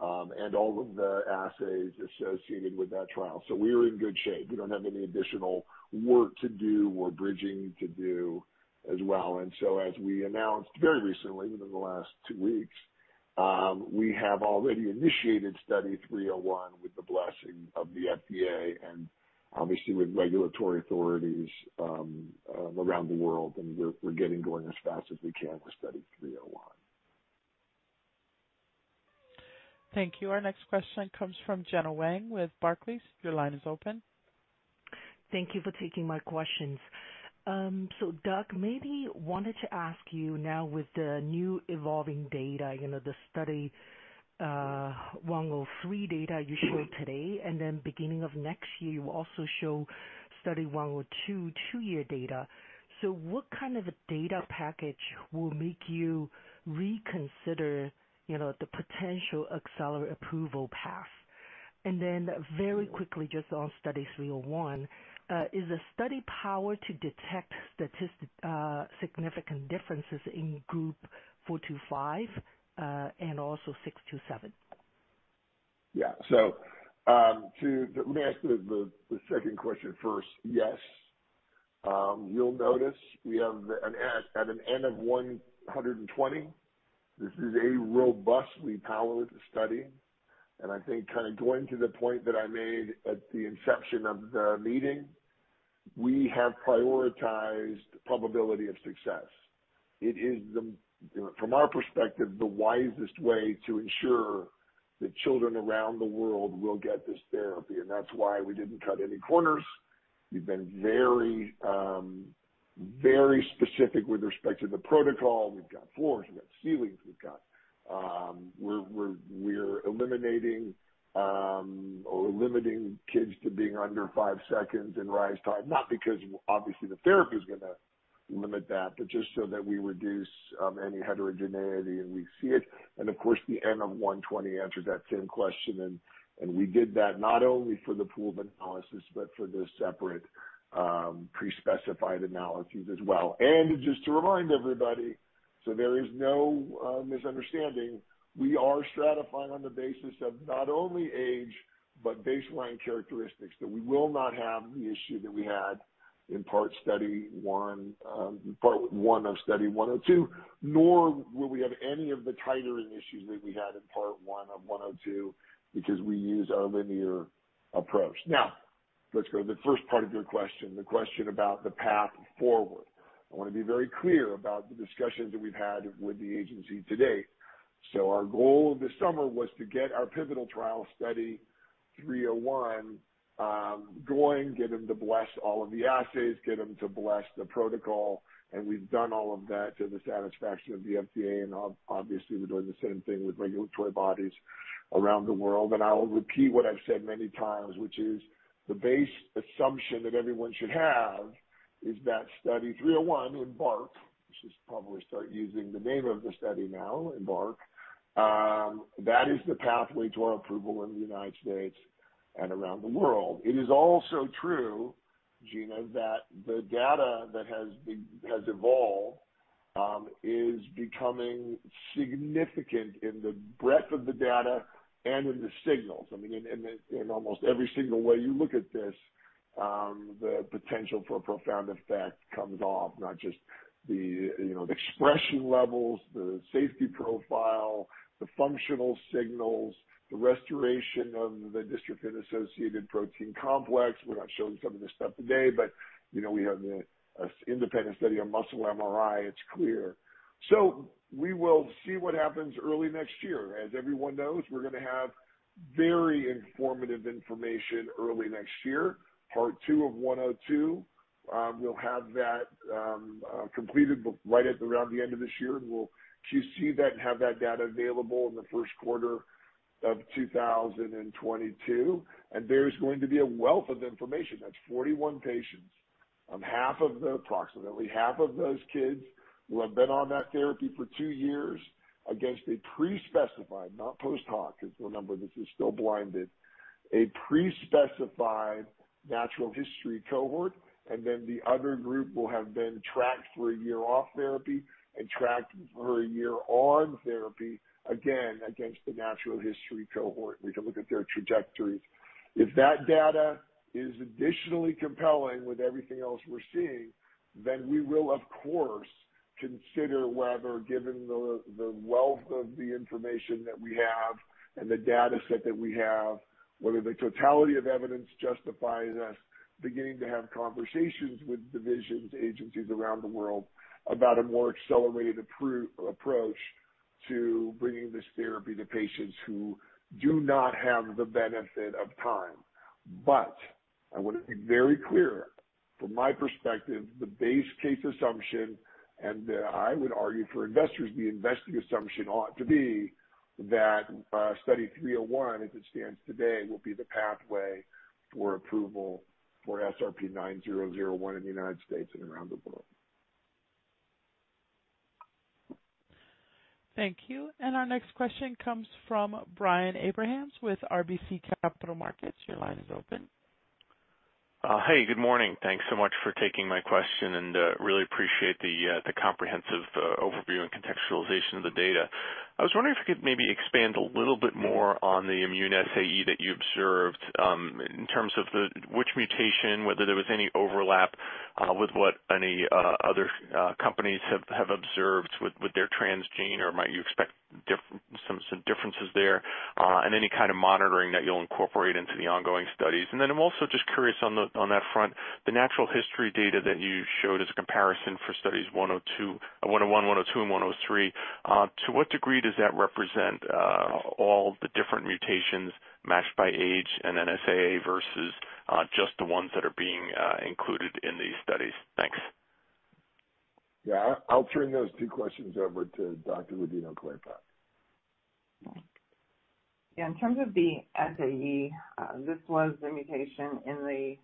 and all of the assays associated with that trial. We are in good shape. We don't have any additional work to do or bridging to do as well. As we announced very recently, within the last two weeks, we have already initiated Study 301 with the blessing of the FDA and obviously with regulatory authorities around the world, and we're getting going as fast as we can with Study 301. Thank you. Our next question comes from Gena Wang with Barclays. Your line is open. Thank you for taking my questions. Doug, maybe wanted to ask you now with the new evolving data, the Study 103 data you showed today, and then beginning of next year, you will also show Study 102 two-year data. What kind of a data package will make you reconsider the potential accelerated approval path? Very quickly, just on Study 301, is the study powered to detect significant differences in group 4 to 5, and also six to seven? Yeah. Let me ask the second question first. Yes. You'll notice we have at an N of 120, this is a robustly powered study. I think going to the point that I made at the inception of the meeting, we have prioritized probability of success. It is, from our perspective, the wisest way to ensure that children around the world will get this therapy. That's why we didn't cut any corners. We've been very specific with respect to the protocol. We've got floors, we've got ceilings, we're eliminating or limiting kids to being under five seconds in rise time, not because obviously the therapy is going to limit that. Just so that we reduce any heterogeneity and we see it. Of course, the N of 120 answered that same question. We did that not only for the pooled analysis, but for the separate pre-specified analyses as well. Just to remind everybody, so there is no misunderstanding, we are stratifying on the basis of not only age, but baseline characteristics, that we will not have the issue that we had in part one of Study 102, nor will we have any of the titering issues that we had in part one of Study 102 because we use a linear approach. Let's go to the first part of your question, the question about the path forward. I want to be very clear about the discussions that we've had with the Agency to date. Our goal this summer was to get our pivotal trial Study 301 going, get them to bless all of the assays, get them to bless the protocol, we've done all of that to the satisfaction of the FDA. Obviously we're doing the same thing with regulatory bodies around the world. I will repeat what I've said many times, which is the base assumption that everyone should have is that Study 301 EMBARK, we should probably start using the name of the study now, EMBARK. That is the pathway to our approval in the United States and around the world. It is also true, Gena, that the data that has evolved is becoming significant in the breadth of the data and in the signals. I mean, in almost every single way you look at this, the potential for a profound effect comes off, not just the expression levels, the safety profile, the functional signals, the restoration of the dystrophin-associated protein complex. We're not showing some of this stuff today, but we have the independent study of muscle MRI, it's clear. We will see what happens early next year. As everyone knows, we're going to have very informative information early next year. Part two of Study 102, we'll have that completed right at around the end of this year, and we'll see that and have that data available in the first quarter of 2022. There's going to be a wealth of information. That's 41 patients. Approximately half of those kids will have been on that therapy for two years against a pre-specified, not post hoc, because remember, this is still blinded, a pre-specified natural history cohort, and then the other group will have been tracked for one year off therapy and tracked for one year on therapy, again, against the natural history cohort. We can look at their trajectories. If that data is additionally compelling with everything else we're seeing, then we will, of course, consider whether, given the wealth of the information that we have and the data set that we have, whether the totality of evidence justifies us beginning to have conversations with divisions, agencies around the world about a more accelerated approach to bringing this therapy to patients who do not have the benefit of time. I want to be very clear, from my perspective, the base case assumption, and I would argue for investors, the investing assumption ought to be that Study 301, as it stands today, will be the pathway for approval for SRP-9001 in the United States and around the world. Thank you. Our next question comes from Brian Abrahams with RBC Capital Markets. Your line is open. Hey, good morning. Thanks so much for taking my question. Really appreciate the comprehensive overview and contextualization of the data. I was wondering if you could maybe expand a little bit more on the immune SAE that you observed, in terms of which mutation, whether there was any overlap with what any other companies have observed with their transgene, or might you expect some differences there, and any kind of monitoring that you'll incorporate into the ongoing studies. I'm also just curious on that front, the natural history data that you showed as a comparison for Study 101, Study 102, and Study 103, to what degree does that represent all the different mutations matched by age and NSAA versus just the ones that are being included in these studies? Thanks. Yeah. I'll turn those two questions over to Dr. Rodino-Klapac. In terms of the SAE, this was the mutation in the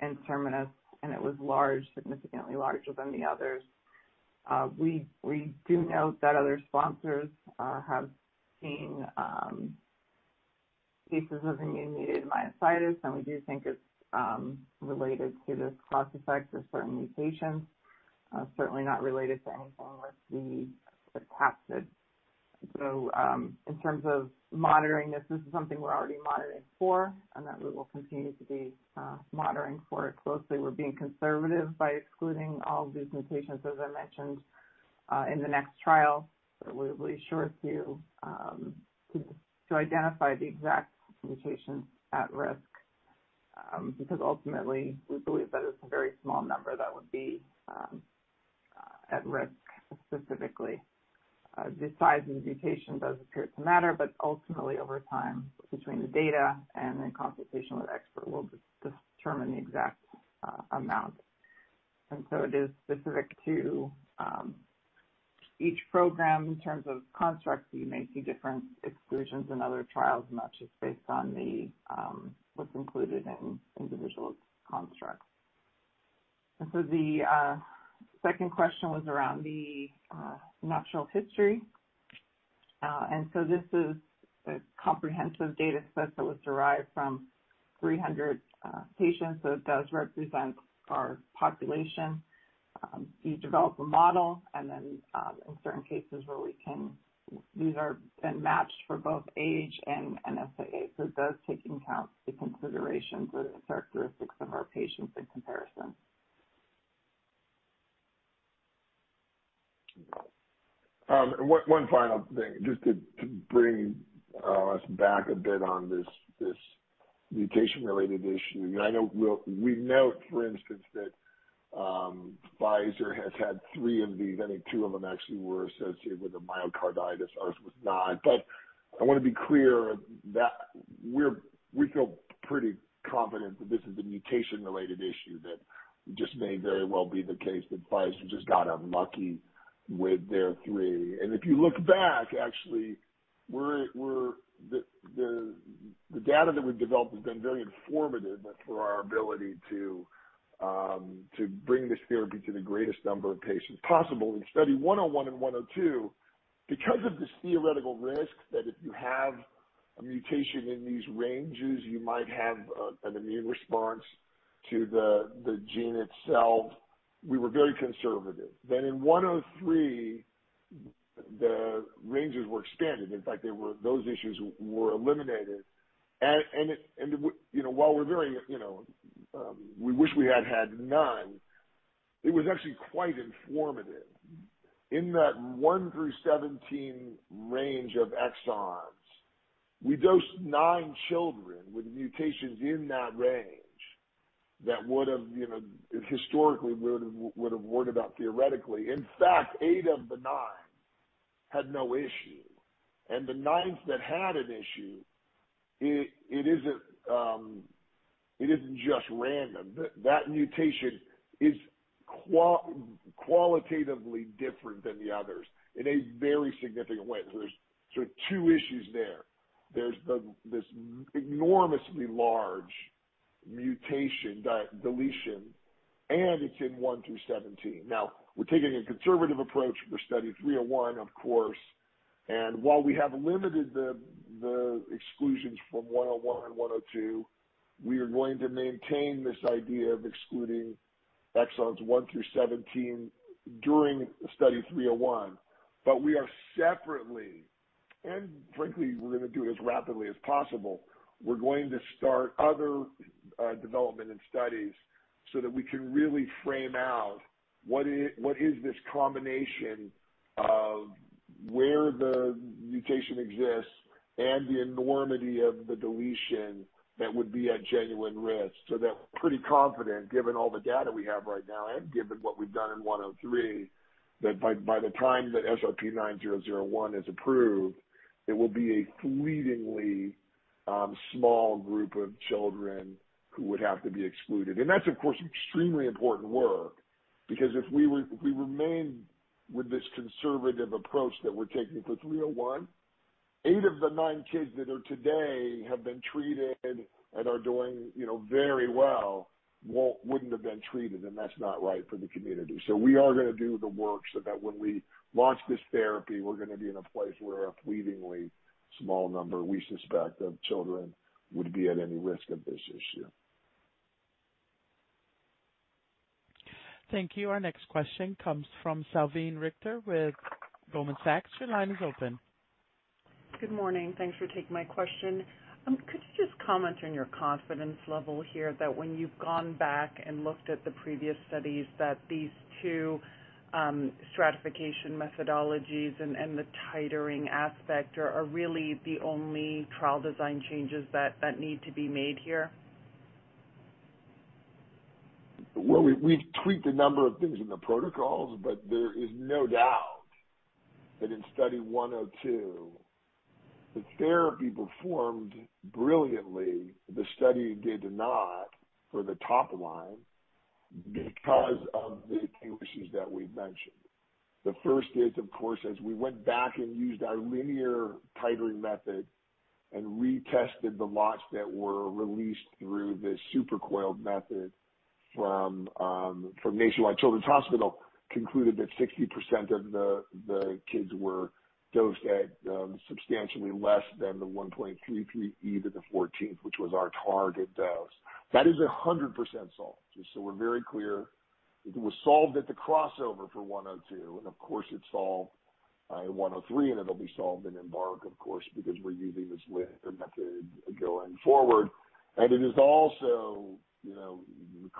N-terminus, and it was large, significantly larger than the others. We do note that other sponsors have seen cases of immune-mediated myositis, and we do think it's related to this class effect for certain mutations. Certainly not related to anything with the capsid. In terms of monitoring this is something we're already monitoring for and that we will continue to be monitoring for closely. We're being conservative by excluding all of these mutations, as I mentioned, in the next trial. We'll be sure to identify the exact mutations at risk, because ultimately we believe that it's a very small number that would be at risk specifically. The size of the mutation does appear to matter, but ultimately over time, between the data and in consultation with expert, we'll determine the exact amount. It is specific to each program in terms of constructs. You may see different exclusions in other trials, much as based on what's included in individual constructs. The second question was around the natural history. This is a comprehensive data set that was derived from 300 patients, so it does represent our population. We develop a model and then in certain cases where we can, these are then matched for both age and NSAA, so it does take into account the considerations or the characteristics of our patients in comparison. One final thing, just to bring us back a bit on this mutation-related issue. We note, for instance, that Pfizer has had three of these. I think two of them actually were associated with a myocarditis. Ours was not. I want to be clear that we feel pretty confident that this is a mutation-related issue that just may very well be the case that Pfizer just got unlucky with their three. If you look back, actually, the data that we've developed has been very informative for our ability to bring this therapy to the greatest number of patients possible. In Study 101 and Study 102, because of this theoretical risk that if you have a mutation in these ranges, you might have an immune response to the gene itself, we were very conservative. In 103, the ranges were expanded. In fact, those issues were eliminated. While we wish we had had none, it was actually quite informative. In that one through 17 range of exons, we dosed nine children with mutations in that range that historically we would've worried about theoretically. In fact, eight of the nine had no issue. The ninth that had an issue, it isn't just random. That mutation is qualitatively different than the others in a very significant way. There's two issues there. There's this enormously large mutation deletion, and it's in one through 17. Now, we're taking a conservative approach for Study 301, of course. While we have limited the exclusions from Study 101 and Study 102, we are going to maintain this idea of excluding exons one through 17 during Study 301. We are separately, and frankly we're going to do it as rapidly as possible, we're going to start other development and studies so that we can really frame out what is this combination of where the mutation exists and the enormity of the deletion that would be at genuine risk. That we're pretty confident, given all the data we have right now and given what we've done in 103, that by the time that SRP-9001 is approved, it will be a fleetingly small group of children who would have to be excluded. That's, of course, extremely important work, because if we remain with this conservative approach that we're taking for 301, eight of the nine kids that are today have been treated and are doing very well wouldn't have been treated, and that's not right for the community. We are going to do the work so that when we launch this therapy, we're going to be in a place where a fleetingly small number, we suspect, of children would be at any risk of this issue. Thank you. Our next question comes from Salveen Richter with Goldman Sachs. Your line is open. Good morning. Thanks for taking my question. Could you just comment on your confidence level here that when you've gone back and looked at the previous studies, that these two stratification methodologies and the titrating aspect are really the only trial design changes that need to be made here? Well, we've tweaked a number of things in the protocols, but there is no doubt that in Study 102, the therapy performed brilliantly. The study did not for the top line because of the issues that we've mentioned. The first is, of course, as we went back and used our linear qPCR method and retested the lots that were released through this supercoiled method from Nationwide Children's Hospital, concluded that 60% of the kids were dosed at substantially less than the 1.3E14, which was our target dose. That is 100% solved. Just so we're very clear, it was solved at the crossover for 102, and of course, it's solved in 103, and it'll be solved in EMBARK, of course, because we're using this linear method going forward. It is also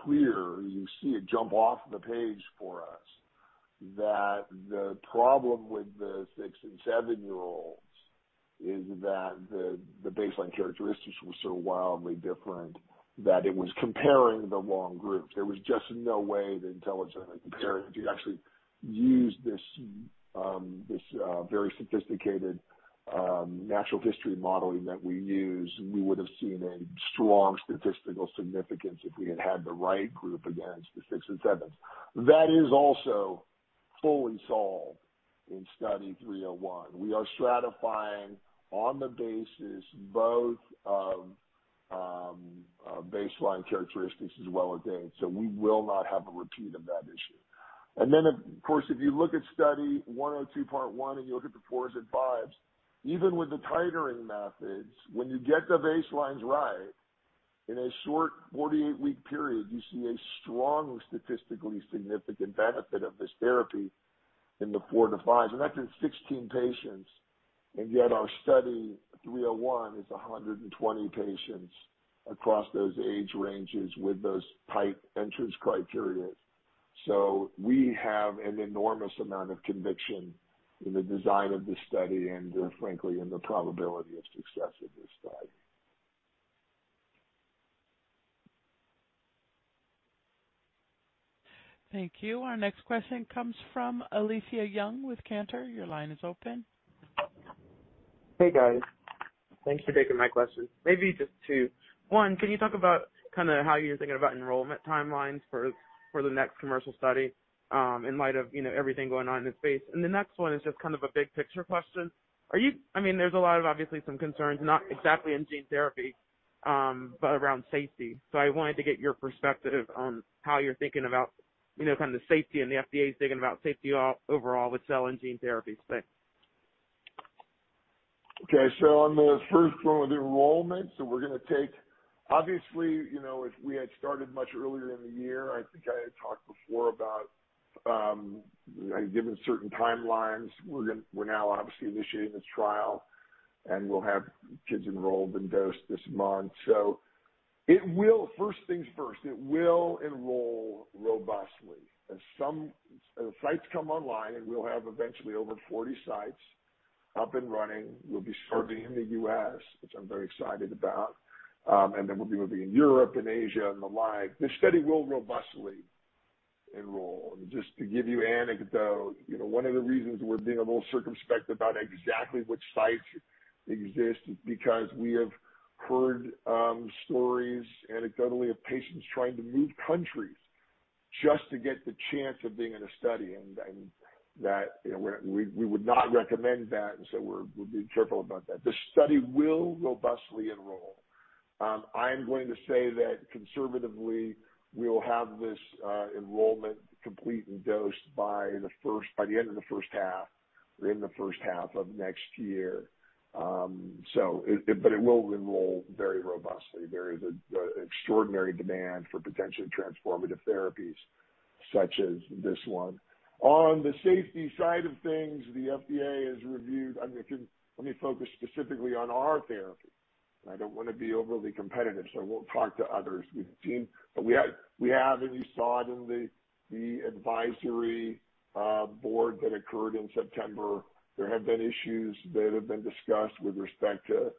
clear, you see it jump off the page for us, that the problem with the six and seven-year-olds is that the baseline characteristics were so wildly different that it was comparing the wrong groups. There was just no way to intelligently compare it. If you actually use this very sophisticated natural history modeling that we use, we would have seen a strong statistical significance if we had had the right group against the six and seven. That is also fully solved in Study 301. We are stratifying on the basis both of baseline characteristics as well as age, so we will not have a repeat of that issue. Of course, if you look at Study 102, part one, and you look at the four and five, even with the titrating methods, when you get the baselines right, in a short 48-week period, you see a strong statistically significant benefit of this therapy in the four to five. That's in 16 patients, and yet our Study 301 is 120 patients across those age ranges with those tight entrance criteria. We have an enormous amount of conviction in the design of the study and frankly, in the probability of success of this study. Thank you. Our next question comes from Alethia Young with Cantor. Your line is open. Hey, guys. Thanks for taking my question. Maybe just two. One, can you talk about how you're thinking about enrollment timelines for the next commercial study in light of everything going on in the space? The next one is just a big picture question. There's a lot of, obviously, some concerns, not exactly in gene therapy, but around safety. I wanted to get your perspective on how you're thinking about the safety and the FDA's thinking about safety overall with cell and gene therapy space. On the first one with enrollment, we're going to take, obviously, if we had started much earlier in the year, I think I had talked before about giving certain timelines. We're now obviously initiating this trial, and we'll have kids enrolled and dosed this month. First things first, it will enroll robustly. As sites come online, we'll have eventually over 40 sites up and running. We'll be starting in the U.S., which I'm very excited about. We'll be moving to Europe and Asia and the like. The study will robustly enroll. Just to give you anecdote, one of the reasons we are being a little circumspect about exactly which sites exist is because we have heard stories anecdotally of patients trying to move countries just to get the chance of being in a study, and we would not recommend that, and so we are being careful about that. The study will robustly enroll. I am going to say that conservatively, we will have this enrollment complete and dosed by the end of the first half or in the first half of next year. It will enroll very robustly. There is an extraordinary demand for potentially transformative therapies such as this one. On the safety side of things, the FDA has reviewed, let me focus specifically on our therapy. I don't want to be overly competitive, so I won't talk to others. We have, and you saw it in the advisory board that occurred in September, there have been issues that have been discussed with respect to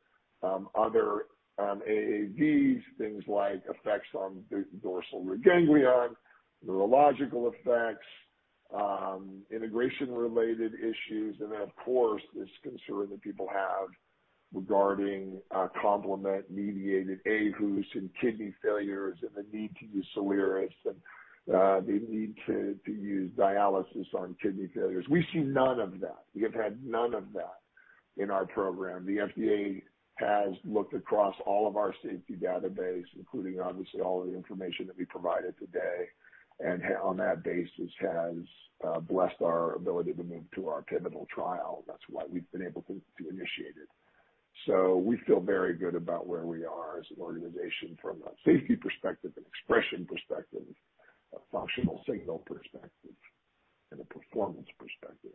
other AAVs, things like effects on the dorsal root ganglion, neurological effects, integration-related issues, and then, of course, this concern that people have regarding complement-mediated aHUS, and kidney failures, and the need to use Soliris, and the need to use dialysis on kidney failures. We see none of that. We have had none of that in our program. The FDA has looked across all of our safety database, including obviously all of the information that we provided today, and on that basis, has blessed our ability to move to our pivotal trial. That's why we've been able to initiate it. We feel very good about where we are as an organization from a safety perspective, an expression perspective, a functional signal perspective, in a performance perspective.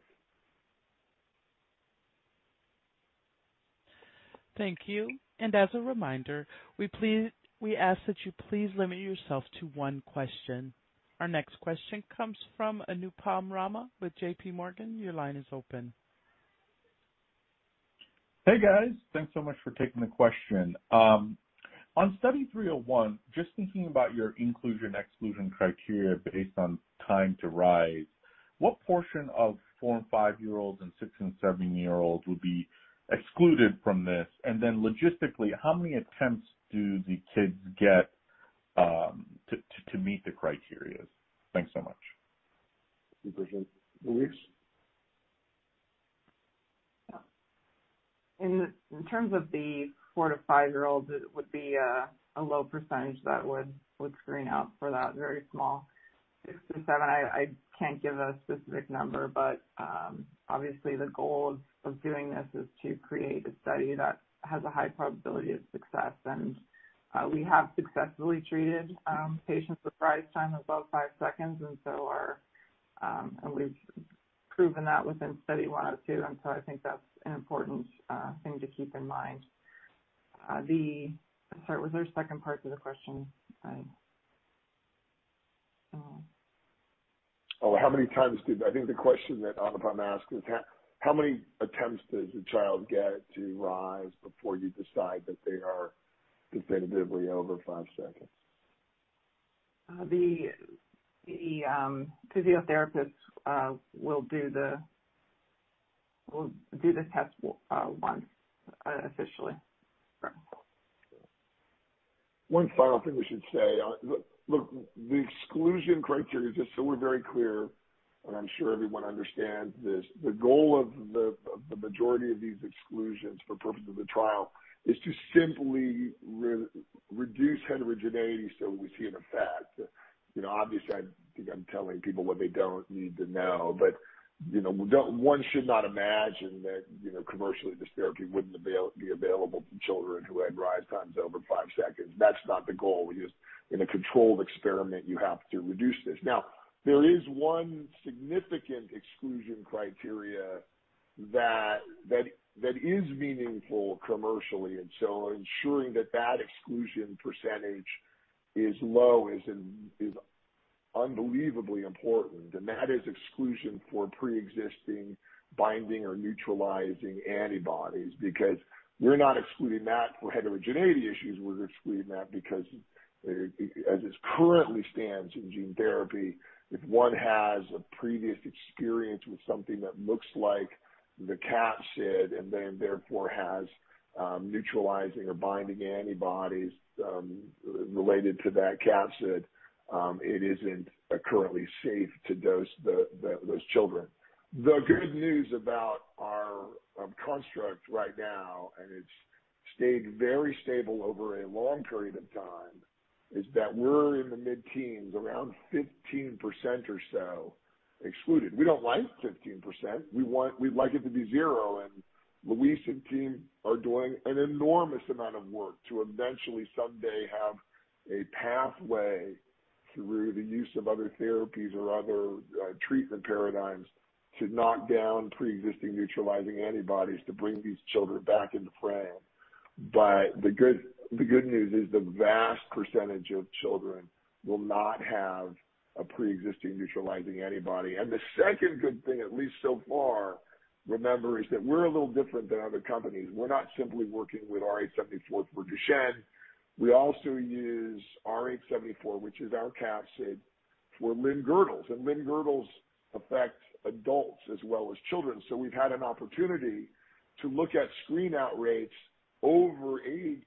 Thank you. As a reminder, we ask that you please limit yourself to one question. Our next question comes from Anupam Rama with JPMorgan. Your line is open. Hey, guys. Thanks so much for taking the question. On Study 301, just thinking about your inclusion/exclusion criteria based on time to rise, what portion of four and five-year-old and six and seven-year-old would be excluded from this? Logistically, how many attempts do the kids get to meet the criteria? Thanks so much. You present, Louise? Yeah. In terms of the four to five-year-old, it would be a low percentage that would screen out for that, very small. Six to seven, I can't give a specific number. Obviously the goal of doing this is to create a study that has a high probability of success and we have successfully treated patients with rise time above five seconds and we've proven that within Study 102. I think that's an important thing to keep in mind. Sorry, was there a second part to the question? Oh, how many times did I think the question that Anupam asked was how many attempts does a child get to rise before you decide that they are definitively over five seconds? The physiotherapist will do the test once, officially. One final thing we should say. Look, the exclusion criteria, just so we're very clear, and I'm sure everyone understands this, the goal of the majority of these exclusions for purpose of the trial is to simply reduce heterogeneity so we see an effect. Obviously, I think I'm telling people what they don't need to know, but one should not imagine that commercially this therapy wouldn't be available to children who had rise times over five seconds. That's not the goal. In a controlled experiment, you have to reduce this. Now, there is one significant exclusion criteria that is meaningful commercially, and so ensuring that that exclusion percentage is low is unbelievably important, and that is exclusion for preexisting binding or neutralizing antibodies. We're not excluding that for heterogeneity issues. We're excluding that because, as it currently stands in gene therapy, if one has a previous experience with something that looks like the capsid and then therefore has neutralizing or binding antibodies related to that capsid, it isn't currently safe to dose those children. The good news about our construct right now, and it's stayed very stable over a long period of time, is that we're in the mid-teens, around 15% or so excluded. We don't like 15%. We'd like it to be zero. Louise and team are doing an enormous amount of work to eventually someday have a pathway through the use of other therapies or other treatment paradigms to knock down preexisting neutralizing antibodies to bring these children back into frame. The good news is the vast percentage of children will not have a preexisting neutralizing antibody. The second good thing, at least so far, remember, is that we're a little different than other companies. We're not simply working with RH74 for Duchenne. We also use RH74, which is our capsid, for limb-girdles, and limb-girdles affect adults as well as children. We've had an opportunity to look at screen-out rates over ages,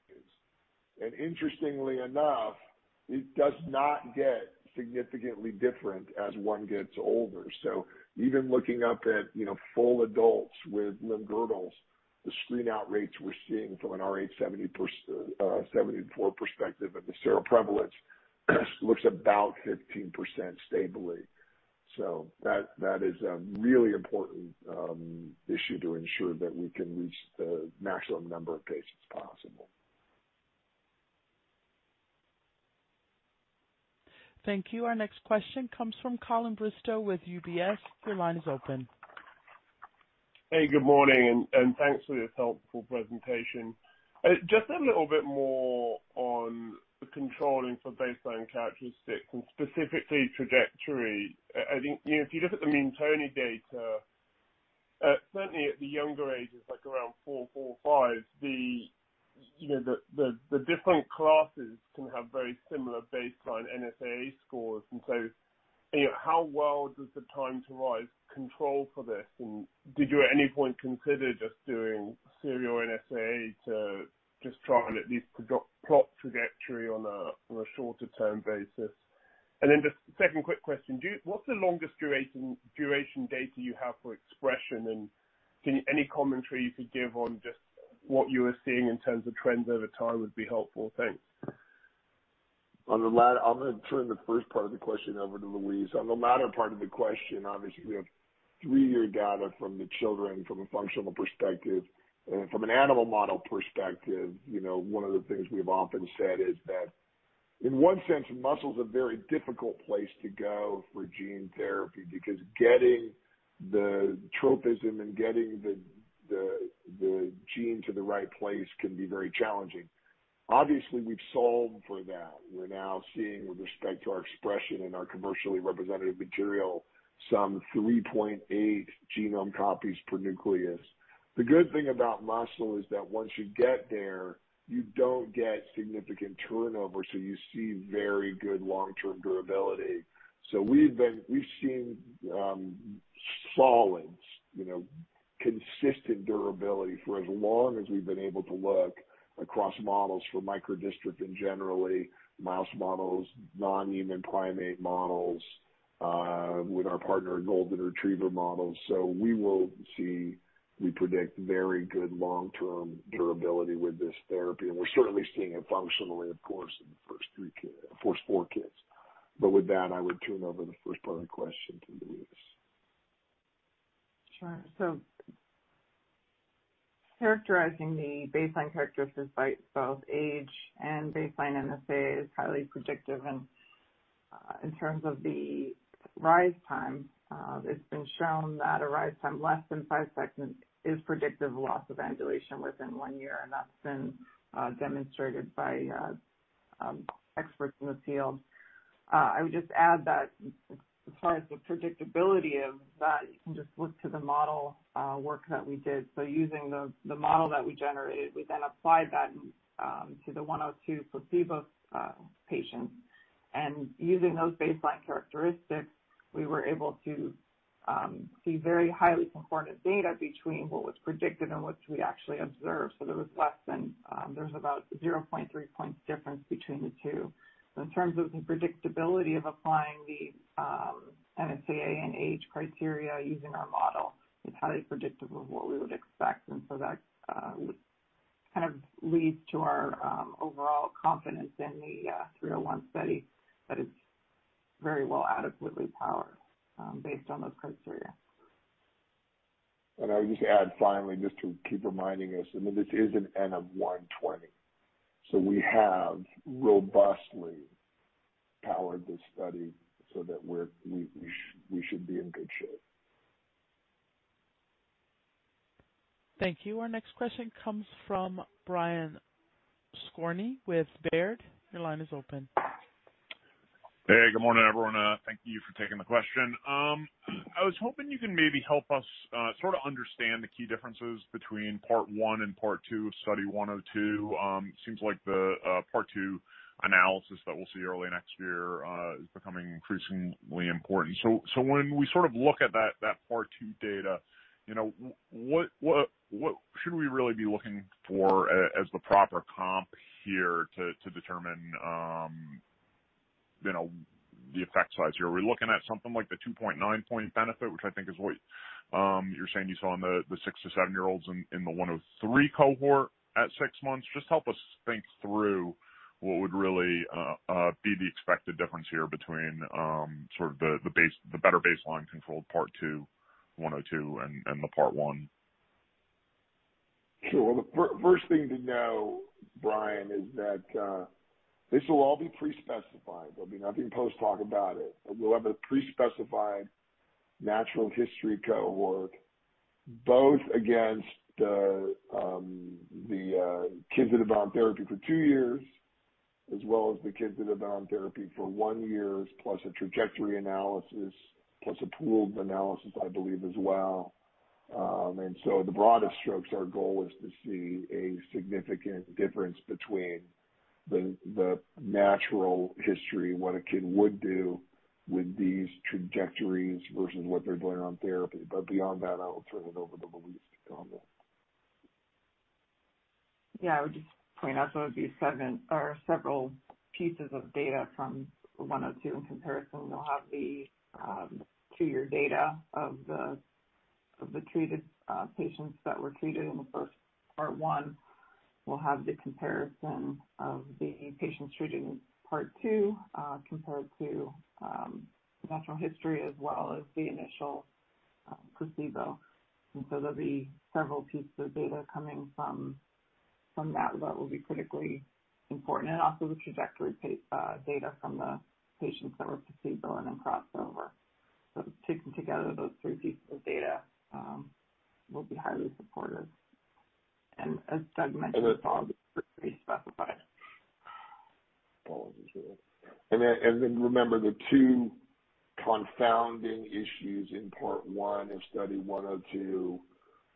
and interestingly enough, it does not get significantly different as one gets older. Even looking up at full adults with limb-girdles, the screen-out rates we're seeing from an RH74 perspective and the seroprevalence looks about 15% stably. That is a really important issue to ensure that we can reach the maximum number of patients possible. Thank you. Our next question comes from Colin Bristow with UBS. Your line is open. Good morning, thanks for your helpful presentation. Just a little bit more on the controlling for baseline characteristics and specifically trajectory. I think if you look at the Muntoni data, certainly at the younger ages, like around four, five, the different classes can have very similar baseline NSAA scores. How well does the time to rise control for this? Did you at any point consider just doing serial NSAA to just try and at least plot trajectory on a shorter term basis? Just second quick question, what's the longest duration data you have for expression? Any commentary you could give on just what you are seeing in terms of trends over time would be helpful. Thanks. I'm going to turn the first part of the question over to Louise. On the latter part of the question, obviously, we have three-year data from the children from a functional perspective. From an animal model perspective, one of the things we've often said is that. In one sense, muscle is a very difficult place to go for gene therapy because getting the tropism and getting the gene to the right place can be very challenging. Obviously, we've solved for that. We're now seeing, with respect to our expression in our commercially representative material, some 3.8 genome copies per nucleus. The good thing about muscle is that once you get there, you don't get significant turnover, so you see very good long-term durability. We've seen solids, consistent durability, for as long as we've been able to look across models for icrodystrophin and generally mouse models, non-human primate models with our partner golden retriever models. We will see, we predict very good long-term durability with this therapy, and we're certainly seeing it functionally, of course, in the first four kids. With that, I would turn over the first part of the question to Louise. Sure. Characterizing the baseline characteristics by both age and baseline NSAA is highly predictive. In terms of the rise time, it's been shown that a rise time less than five seconds is predictive of loss of ambulation within one year, and that's been demonstrated by experts in the field. I would just add that as far as the predictability of that, you can just look to the model work that we did. Using the model that we generated, we then applied that to the 102 placebo patients. Using those baseline characteristics, we were able to see very highly concordant data between what was predicted and what we actually observed. There's about 0.3 points difference between the two. In terms of the predictability of applying the NSAA and age criteria using our model, it's highly predictive of what we would expect. That would lead to our overall confidence in the Study 301 that it is very well adequately powered based on those criteria. I would just add finally, just to keep reminding us, I mean, this is an N of 120, so we have robustly powered this study so that we should be in good shape. Thank you. Our next question comes from Brian Skorney with Baird. Your line is open. Hey, good morning, everyone. Thank you for taking the question. I was hoping you can maybe help us sort of understand the key differences between part one and part two of Study 102. It seems like the part two analysis that we'll see early next year is becoming increasingly important. When we sort of look at that part two data, what should we really be looking for as the proper comp here to determine the effect size here? Are we looking at something like the 2.9 point benefit, which I think is what you're saying you saw in the six to seven-year-olds in the 103 cohort at six months? Just help us think through what would really be the expected difference here between sort of the better baseline controlled part two 102 and the part one. Sure. Well, the first thing to know, Brian, is that this will all be pre-specified. There'll be nothing post-talk about it. We'll have a pre-specified natural history cohort, both against the kids that have been on therapy for two years, as well as the kids that have been on therapy for one year, plus a trajectory analysis, plus a pooled analysis, I believe, as well. At the broadest strokes, our goal is to see a significant difference between the natural history, what a kid would do with these trajectories versus what they're doing on therapy. Beyond that, I will turn it over to Louise to comment. Yeah, I would just point out, it would be several pieces of data from 102 in comparison. We'll have the two-year data of the treated patients that were treated in the first part one. We'll have the comparison of the patients treated in part two compared to natural history as well as the initial placebo. There'll be several pieces of data coming from that that will be critically important. Also the trajectory data from the patients that were placebo and crossover. Taken together, those three pieces of data will be highly supportive. As Doug mentioned, it's all pre-specified. Remember, the two confounding issues in part one of Study 102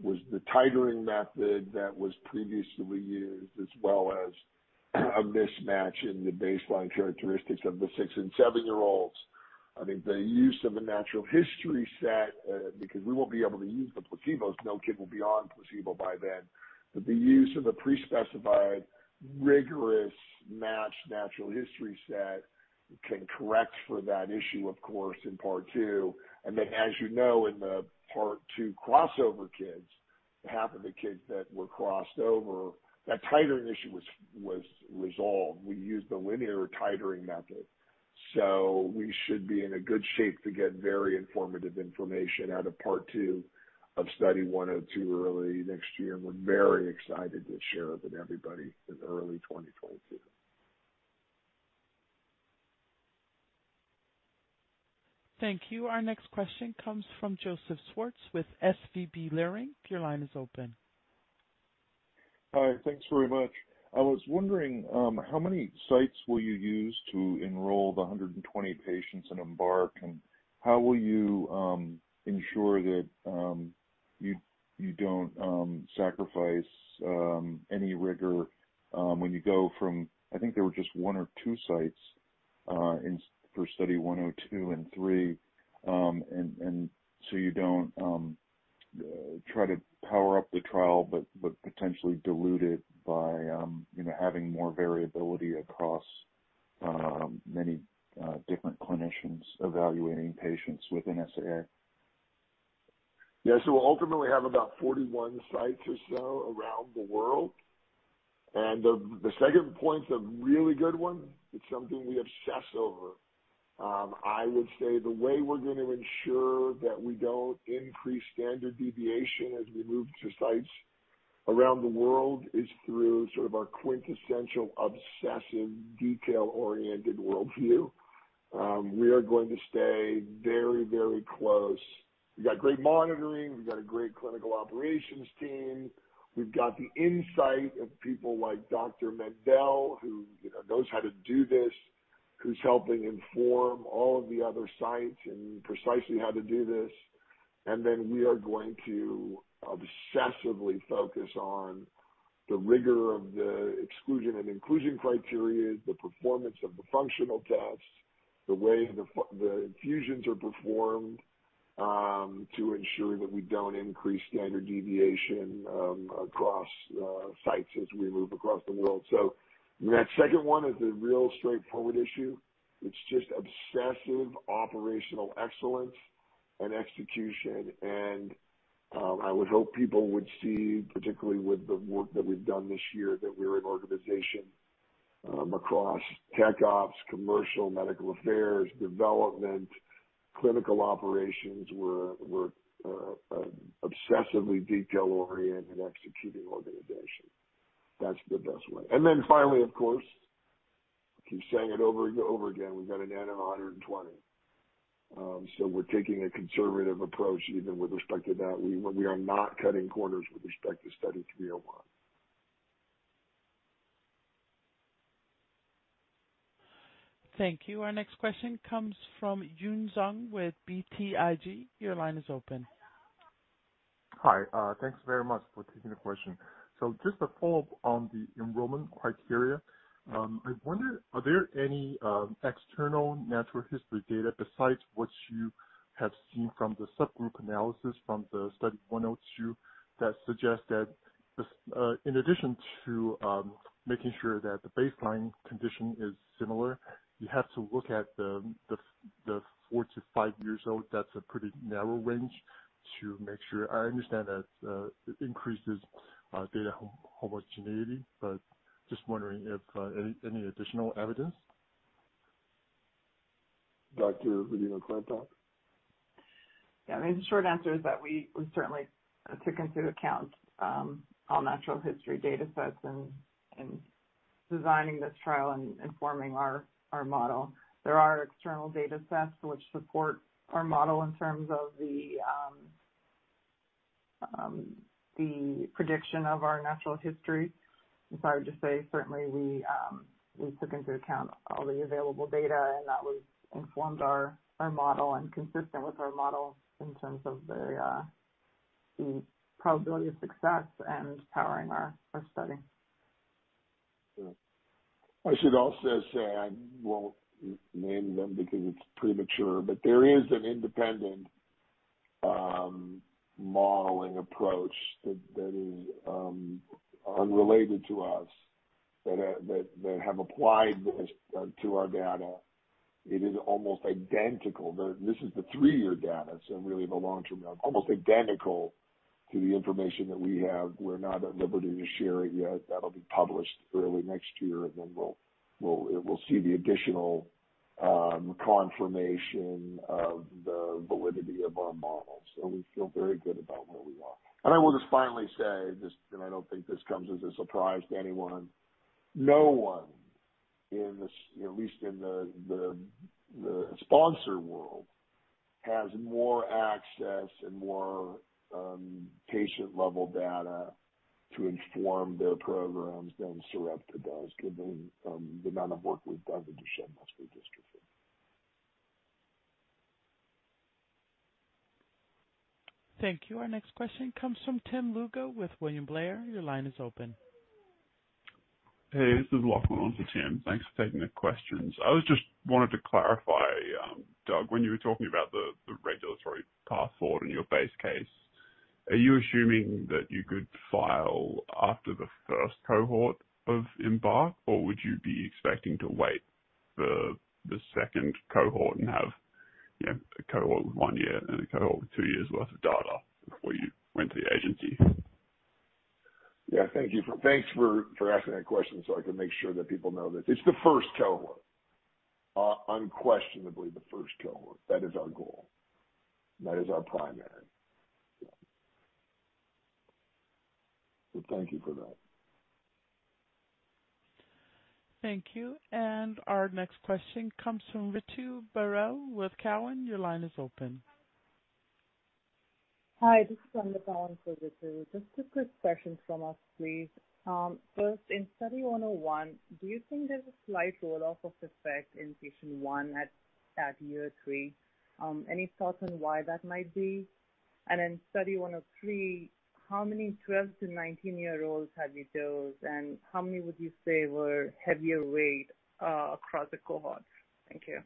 was the titering method that was previously used, as well as a mismatch in the baseline characteristics of the six and seven-year-olds. I think the use of a natural history set, because we won't be able to use the placebos, no kid will be on placebo by then. The use of a pre-specified, rigorous matched natural history set can correct for that issue, of course, in part two. Then, as you know, in the part two crossover kids, half of the kids that were crossed over, that titering issue was resolved. We used the linear titering method. We should be in a good shape to get very informative information out of part two of Study 102 early next year. We're very excited to share it with everybody in early 2022. Thank you. Our next question comes from Joseph Schwartz with SVB Leerink. Your line is open. Hi. Thanks very much. I was wondering how many sites will you use to enroll the 120 patients in EMBARK, how will you ensure that you don't sacrifice any rigor when you go from, I think there were just one or two sites for Study 102 and Study 103, you don't try to power up the trial, but potentially dilute it by having more variability across many different clinicians evaluating patients with NSAA. Yeah. We'll ultimately have about 41 sites or so around the world. The second point is a really good one. It's something we obsess over. I would say the way we're going to ensure that we don't increase standard deviation as we move to sites around the world is through sort of our quintessential obsessive detail-oriented worldview. We are going to stay very close. We've got great monitoring. We've got a great clinical operations team. We've got the insight of people like Dr. Mendell, who knows how to do this, who's helping inform all of the other sites in precisely how to do this. We are going to obsessively focus on the rigor of the exclusion and inclusion criteria, the performance of the functional tests, the way the infusions are performed, to ensure that we don't increase standard deviation across sites as we move across the world. That second one is a real straightforward issue. It's just obsessive operational excellence and execution, and I would hope people would see, particularly with the work that we've done this year, that we're an organization across tech ops, commercial medical affairs, development, clinical operations. We're an obsessively detail-oriented executing organization. That's the best way. Finally, of course, keep saying it over and over again, we've got an N of 120. We're taking a conservative approach even with respect to that. We are not cutting corners with respect to Study 301. Thank you. Our next question comes from [Yanan Zhu] with BTIG. Your line is open. Hi. Thanks very much for taking the question. Just a follow-up on the enrollment criteria. I wonder, are there any external natural history data besides what you have seen from the subgroup analysis from the Study 102 that suggest that in addition to making sure that the baseline condition is similar, you have to look at the four to five years old, that's a pretty narrow range to make sure? I understand that it increases data homogeneity, just wondering if any additional evidence? Dr. Louise Rodino-Klapac? Yeah, the short answer is that we certainly took into account all natural history data sets in designing this trial and informing our model. There are external data sets which support our model in terms of the prediction of our natural history. If I were to say, certainly we took into account all the available data, that would inform our model and consistent with our model in terms of the probability of success and powering our study. I should also say, I won't name them because it's premature, but there is an independent modeling approach that is unrelated to us that have applied this to our data. It is almost identical. This is the three-year data, so really the long-term data, almost identical to the information that we have. We're not at liberty to share it yet. That'll be published early next year, and then we'll see the additional confirmation of the validity of our model. We feel very good about where we are. I will just finally say this, and I don't think this comes as a surprise to anyone, no one, at least in the sponsor world, has more access and more patient-level data to inform their programs than Sarepta does, given the amount of work we've done with Duchenne muscular dystrophy. Thank you. Our next question comes from Tim Lugo with William Blair. Your line is open. Hey, this is Lachlan, not Tim. Thanks for taking the questions. I just wanted to clarify, Doug, when you were talking about the regulatory path forward in your base case, are you assuming that you could file after the first cohort of EMBARK, or would you be expecting to wait for the second cohort and have a cohort with one year and a cohort with two years' worth of data before you went to the agency? Yeah. Thank you. Thanks for asking that question so I can make sure that people know this. It's the first cohort. Unquestionably, the first cohort. That is our goal. That is our primary. Yeah. Thank you for that. Thank you. Our next question comes from Ritu Baral with Cowen. Your line is open. Hi, this is from the Cowen for Ritu. Just a quick question from us, please. First, in Study 101, do you think there's a slight roll-off of effect in patient one at year three? Any thoughts on why that might be? In Study 103, how many 12 to 19-year-olds have you dosed, and how many would you say were heavier weight across the cohort? Thank you.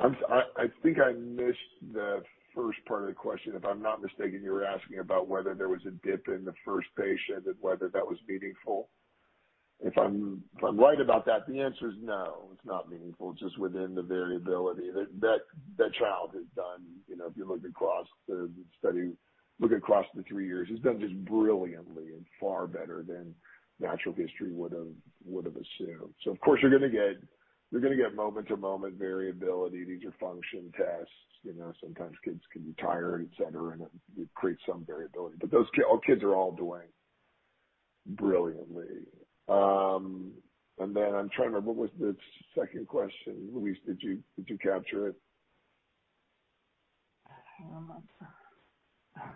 I think I missed the first part of the question. If I'm not mistaken, you were asking about whether there was a dip in the first patient and whether that was meaningful. If I'm right about that, the answer is no, it's not meaningful. It's just within the variability. That child has done, if you look across the study, look across the three years, he's done just brilliantly and far better than natural history would've assumed. Of course, you're going to get moment-to-moment variability. These are function tests. Sometimes kids can be tired, et cetera, and it would create some variability. Our kids are all doing brilliantly. I'm trying to remember, what was the second question? Louise, did you capture it? Hold on one second.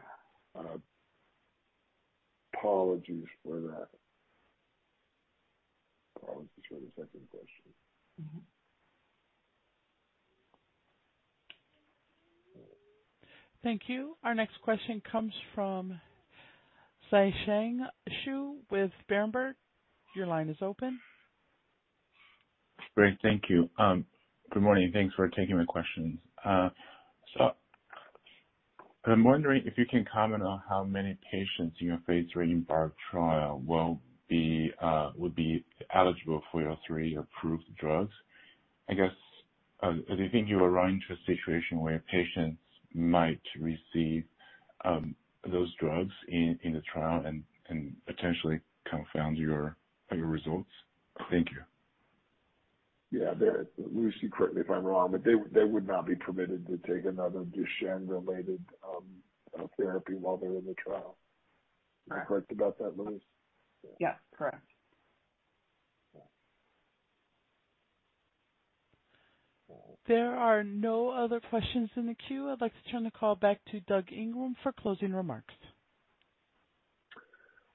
Apologies for that. Apologies for the second question. Thank you. Our next question comes from Shanshan Xu with Berenberg. Your line is open. Great. Thank you. Good morning. Thanks for taking my questions. I'm wondering if you can comment on how many patients in your phase III EMBARK trial would be eligible for your three approved drugs. I guess, do you think you will run into a situation where patients might receive those drugs in the trial and potentially confound your results? Thank you. Yeah. Louise, you correct me if I'm wrong, but they would not be permitted to take another Duchenne-related therapy while they're in the trial. Am I correct about that, Louise? Yeah. Correct. Yeah. There are no other questions in the queue. I'd like to turn the call back to Douglas Ingram for closing remarks.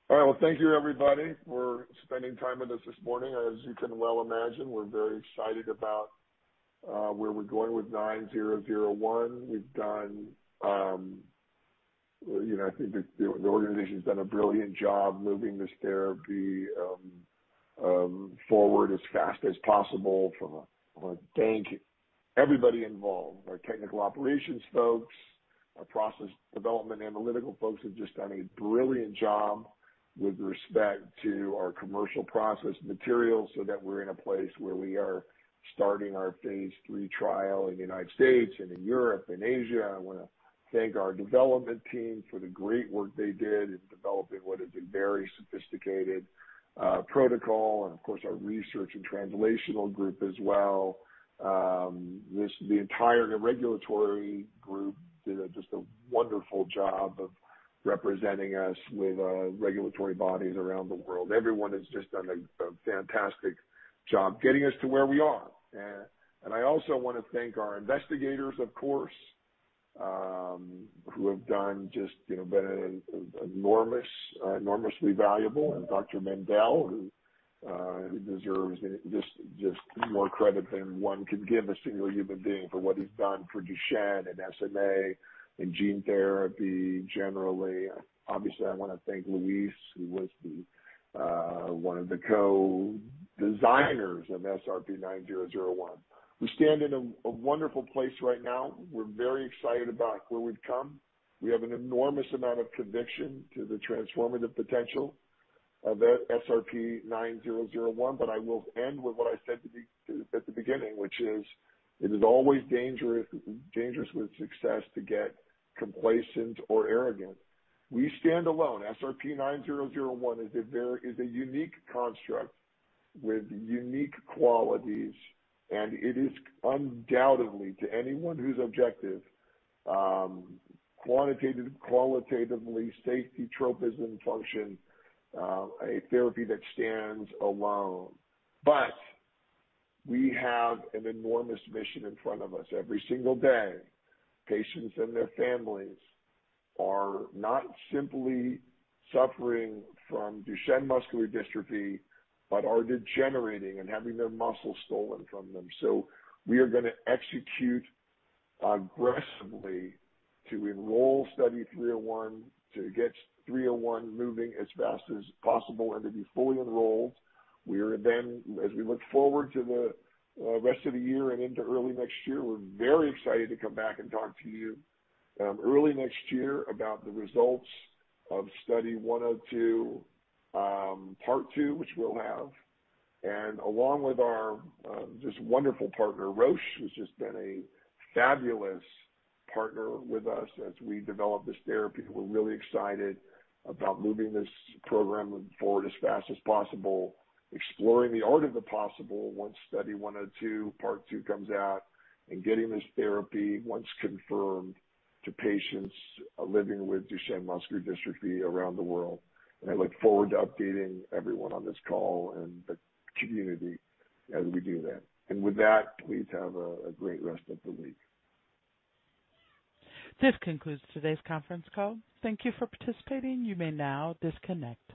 All right. Well, thank you, everybody, for spending time with us this morning. As you can well imagine, we're very excited about where we're going with SRP-9001. I think the organization's done a brilliant job moving this therapy forward as fast as possible. I want to thank everybody involved, our technical operations folks, our process development analytical folks have just done a brilliant job with respect to our commercial process materials so that we're in a place where we are starting our phase III trial in the U.S. and in Europe and Asia. I want to thank our development team for the great work they did in developing what is a very sophisticated protocol, and of course, our research and translational group as well. The entire regulatory group did just a wonderful job of representing us with regulatory bodies around the world. Everyone has just done a fantastic job getting us to where we are. I also want to thank our investigators, of course, who have been enormously valuable, and Dr. Mendell, who deserves just more credit than one could give a single human being for what he's done for Duchenne and SMA and gene therapy generally. Obviously, I want to thank Louise, who was one of the co-designers of SRP-9001. We stand in a wonderful place right now. We're very excited about where we've come. We have an enormous amount of conviction to the transformative potential of SRP-9001, but I will end with what I said at the beginning, which is it is always dangerous with success to get complacent or arrogant. We stand alone. SRP-9001 is a unique construct with unique qualities, and it is undoubtedly, to anyone who's objective, qualitatively safety tropism function, a therapy that stands alone. We have an enormous mission in front of us every single day. Patients and their families are not simply suffering from Duchenne muscular dystrophy, but are degenerating and having their muscles stolen from them. We are going to execute aggressively to enroll Study 301, to get 301 moving as fast as possible, and to be fully enrolled. We are then, as we look forward to the rest of the year and into early next year, we're very excited to come back and talk to you early next year about the results of Study 102, part two, which we'll have. Along with our just wonderful partner, Roche, who's just been a fabulous partner with us as we develop this therapy. We're really excited about moving this program forward as fast as possible, exploring the art of the possible once Study 102, part two comes out, and getting this therapy, once confirmed, to patients living with Duchenne muscular dystrophy around the world. I look forward to updating everyone on this call and the community as we do that. With that, please have a great rest of the week. This concludes today's conference call. Thank you for participating. You may now disconnect.